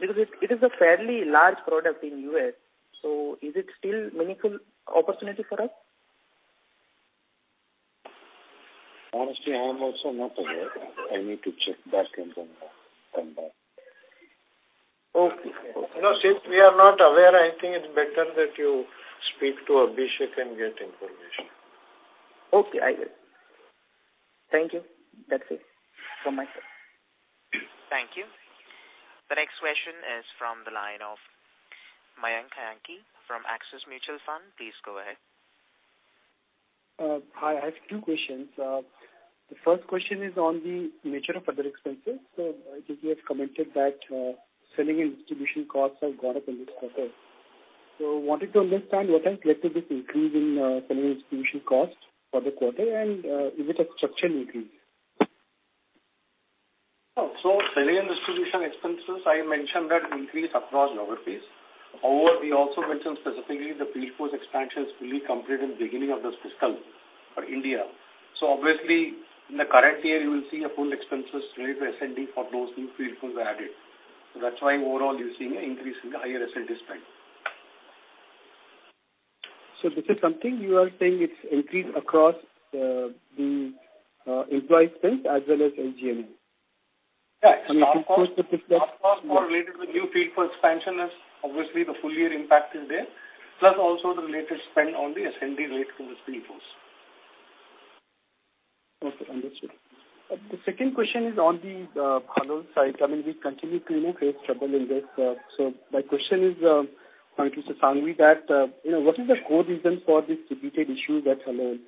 It is a fairly large product in US, so is it still meaningful opportunity for us? Honestly, I am also not aware. I need to check back and then come back. Okay. Since we are not aware, I think it's better that you speak to Abhishek and get information. Okay, I will. Thank you. That's it from my side. Thank you. The next question is from the line of Mayank Khanduja from Axis Mutual Fund. Please go ahead. Hi. I have two questions. The first question is on the nature of other expenses. I think you have commented that selling and distribution costs have gone up in this quarter. Wanted to understand what has led to this increase in selling and distribution costs for the quarter, and is it a structural increase? Selling and distribution expenses, I mentioned that increase across geographies. We also mentioned specifically the field force expansion is fully completed in the beginning of this fiscal for India. Obviously in the current year, you will see a full expenses related to SND for those new field force added. That's why overall you're seeing an increase in the higher SND spend. This is something you are saying it's increased across, the, employee spend as well as SG&A? Yeah. I mean, if you could split that- Of course, more related to new field force expansion is obviously the full year impact is there, plus also the related spend on the SND rate for those field force. Okay, understood. The second question is on the Halol side. I mean, we continue to, you know, face trouble in this. My question is, Mr. Shanghvi, you know, what is the core reason for this repeated issue that Halol,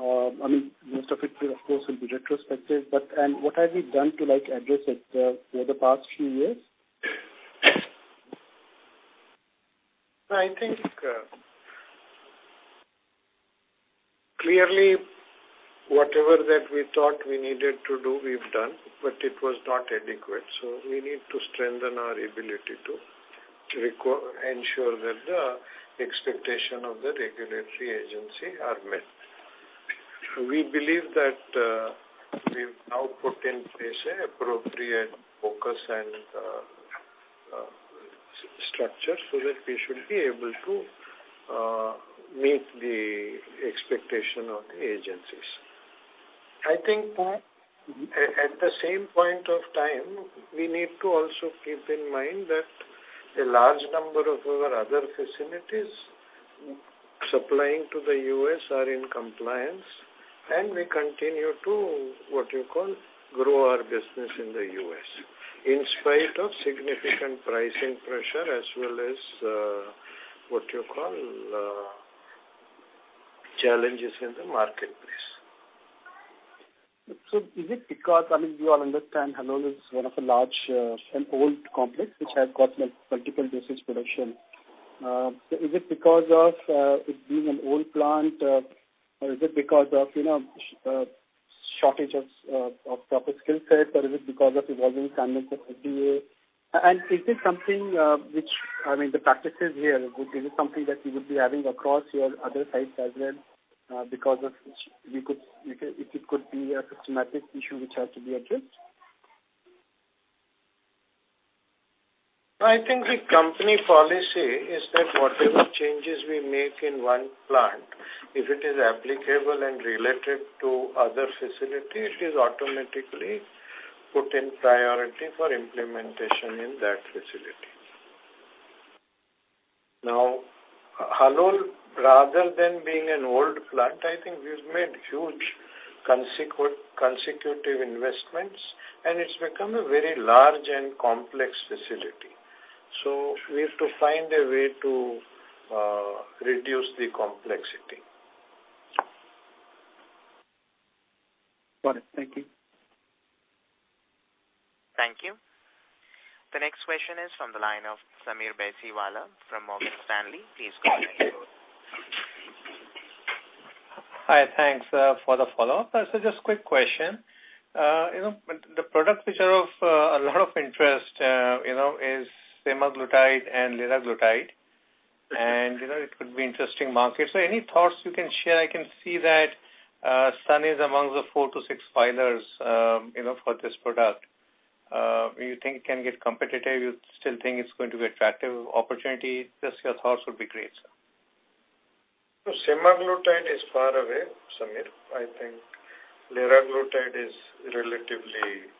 I mean, most of it will of course will be retrospective, but, what have you done to, like, address it over the past few years? I think, clearly, whatever that we thought we needed to do, we've done, but it was not adequate. We need to strengthen our ability to ensure that the expectation of the regulatory agency are met. We believe that we've now put in place an appropriate focus and structure so that we should be able to meet the expectation of the agencies. I think that at the same point of time, we need to also keep in mind that a large number of our other facilities supplying to the U.S. are in compliance, and we continue to, what you call, grow our business in the U.S., in spite of significant pricing pressure as well as, what you call, challenges in the marketplace. I mean, we all understand Halol is one of the large, and old complex which has got like multiple disease production. Is it because of it being an old plant, or is it because of, you know, shortage of proper skill set, or is it because of evolving standards of FDA? Is it something which, I mean, the practices here, is it something that you would be having across your other sites as well, because of which we could, it could be a systematic issue which has to be addressed? I think the company policy is that whatever changes we make in one plant, if it is applicable and related to other facility, it is automatically put in priority for implementation in that facility. Halol, rather than being an old plant, I think we've made huge consecutive investments, and it's become a very large and complex facility. We have to find a way to reduce the complexity. Got it. Thank you. Thank you. The next question is from the line of Sameer Baisiwala from Morgan Stanley. Please go ahead. Hi. Thanks for the follow-up. Just quick question. You know, the products which are of a lot of interest, you know, is semaglutide and liraglutide. You know, it could be interesting market. Any thoughts you can share? I can see that Sun is among the four to six filers, you know, for this product. You think it can get competitive? You still think it's going to be attractive opportunity? Just your thoughts would be great, sir. Semaglutide is far away, Sameer. I think liraglutide is relatively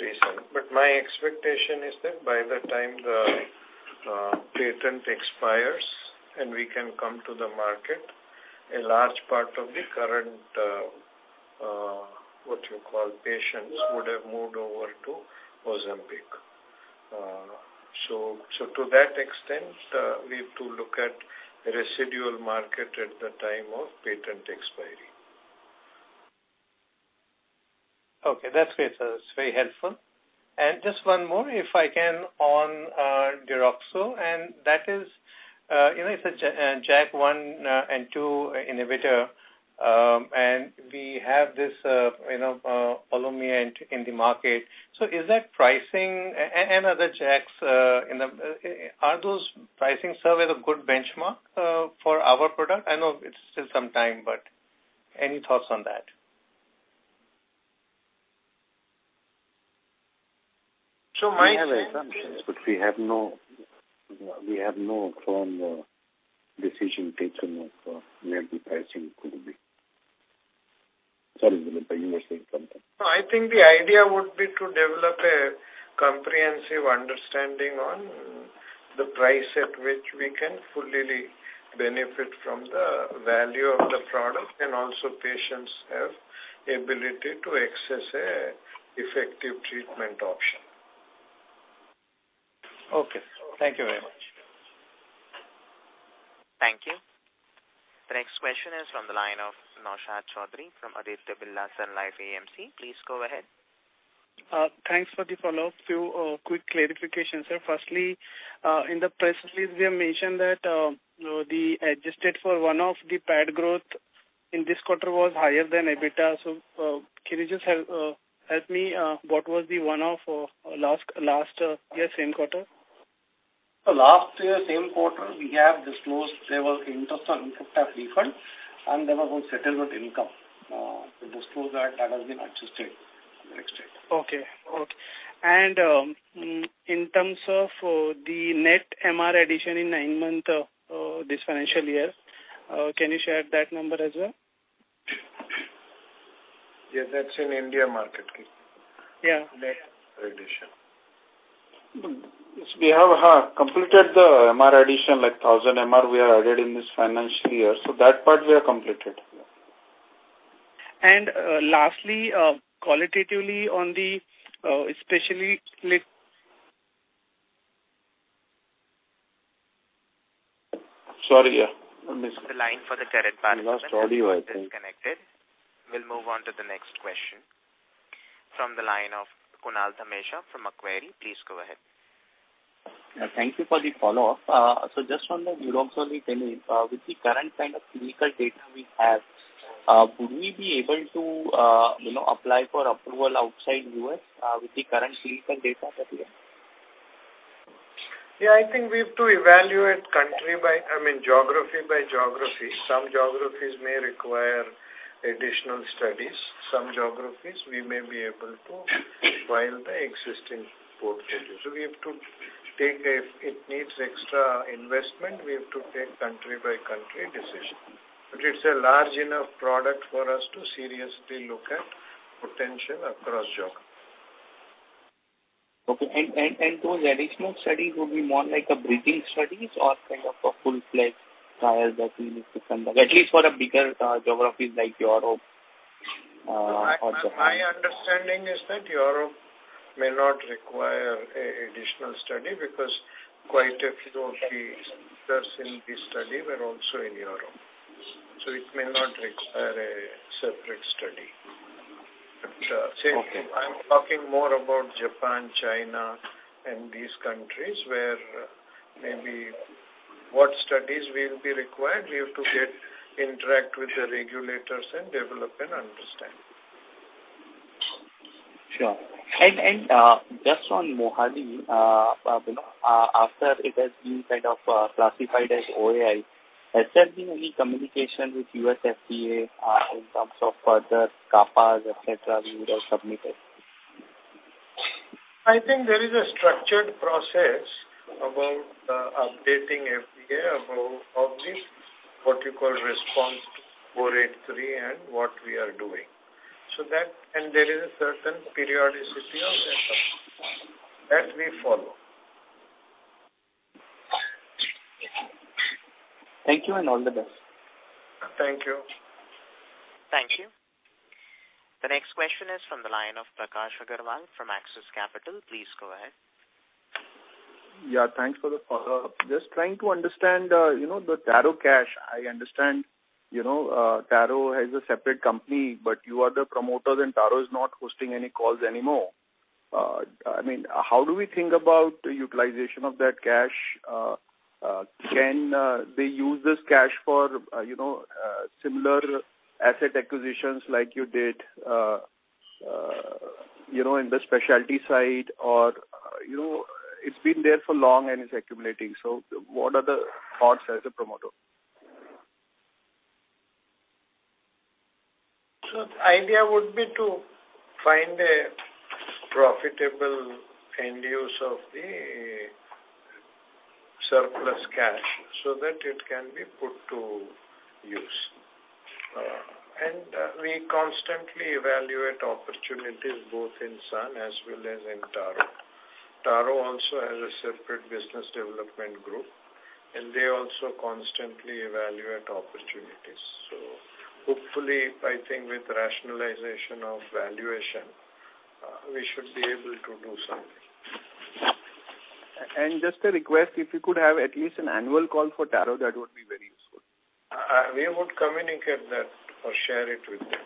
recent. My expectation is that by the time the patent expires and we can come to the market, a large part of the current, what you call, patients would have moved over to Ozempic. To that extent, we have to look at residual market at the time of patent expiry. Okay. That's great, sir. It's very helpful. Just one more, if I can, on deuruxolitinib, and that is, you know, it's a JAK one and two inhibitor, and we have this, you know, Olumiant in the market. Is that pricing and other JAKs in the are those pricing serve as a good benchmark for our product? I know it's still some time, but any thoughts on that? So my- We have assumptions, but we have no firm decision taken of where the pricing could be. Sorry, Dilip, you were saying something? No, I think the idea would be to develop a comprehensive understanding on the price at which we can fully benefit from the value of the product and also patients have ability to access a effective treatment option. Okay. Thank you very much. Thank you. The next question is from the line of Naushad Chaudhary from Aditya Birla Sun Life AMC. Please go ahead. Thanks for the follow-up. Few quick clarifications, sir. Firstly, in the press release, we have mentioned that the adjusted for one-off, the PAT growth in this quarter was higher than EBITDA. Can you just help help me what was the one-off for last year, same quarter? Last year, same quarter, we have disclosed there was interest on income tax refund, and there was one settled income. We disclosed that. That has been adjusted in the next quarter. Okay. Okay. In terms of the net MR addition in nine-month this financial year, can you share that number as well? Yes, that's in India market. Yeah. Net addition. Yes, we have completed the MR addition, like 1,000 MR we have added in this financial year, so that part we have completed. Lastly, qualitatively on the especially. Sorry, yeah. I missed it. The line for the third participant has been disconnected. You lost audio, I think. We'll move on to the next question from the line of Kunal Dhamesha from Macquarie. Please go ahead. Yeah, thank you for the follow-up. Those additional studies will be more like a bridging studies or kind of a full-fledged trial that we need to conduct, at least for the bigger geographies like Europe, or Japan? My understanding is that Europe may not require a additional study because quite a few of the studies in the study were also in Europe. It may not require a separate study. Okay. Same, I'm talking more about Japan, China, and these countries where maybe what studies will be required, we have to get interact with the regulators and develop and understand. Sure. Just on Mohali, you know, after it has been kind of, classified as OAI, has there been any communication with U.S. FDA, in terms of further CAPAs, et cetera, we would have submitted? I think there is a structured process about updating FDA about of this, what you call response 483 and what we are doing. There is a certain periodicity of that we follow. Thank you and all the best. Thank you. Thank you. The next question is from the line of Prakash Agarwal from Axis Capital. Please go ahead. Yeah, thanks for the follow-up. Just trying to understand, you know, the Taro cash. I understand, you know, Taro has a separate company, but you are the promoter and Taro is not hosting any calls anymore. I mean, how do we think about the utilization of that cash? Can they use this cash for, you know, similar asset acquisitions like you did, you know, in the specialty side? Or, you know, it's been there for long and it's accumulating. So what are the thoughts as a promoter? Idea would be to find a profitable end use of the surplus cash so that it can be put to use. We constantly evaluate opportunities both in Sun as well as in Taro. Taro also has a separate business development group, and they also constantly evaluate opportunities. Hopefully, I think with rationalization of valuation, we should be able to do something. Just a request, if you could have at least an annual call for Taro, that would be very useful. We would communicate that or share it with you.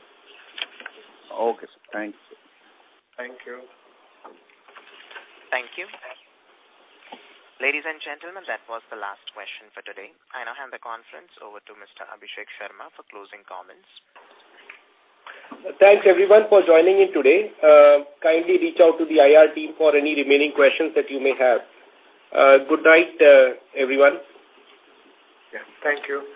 Okay, sir. Thanks. Thank you. Thank you. Ladies and gentlemen, that was the last question for today. I now hand the conference over to Mr. Abhishek Sharma for closing comments. Thanks, everyone, for joining in today. Kindly reach out to the IR team for any remaining questions that you may have. Good night, everyone. Yeah. Thank you.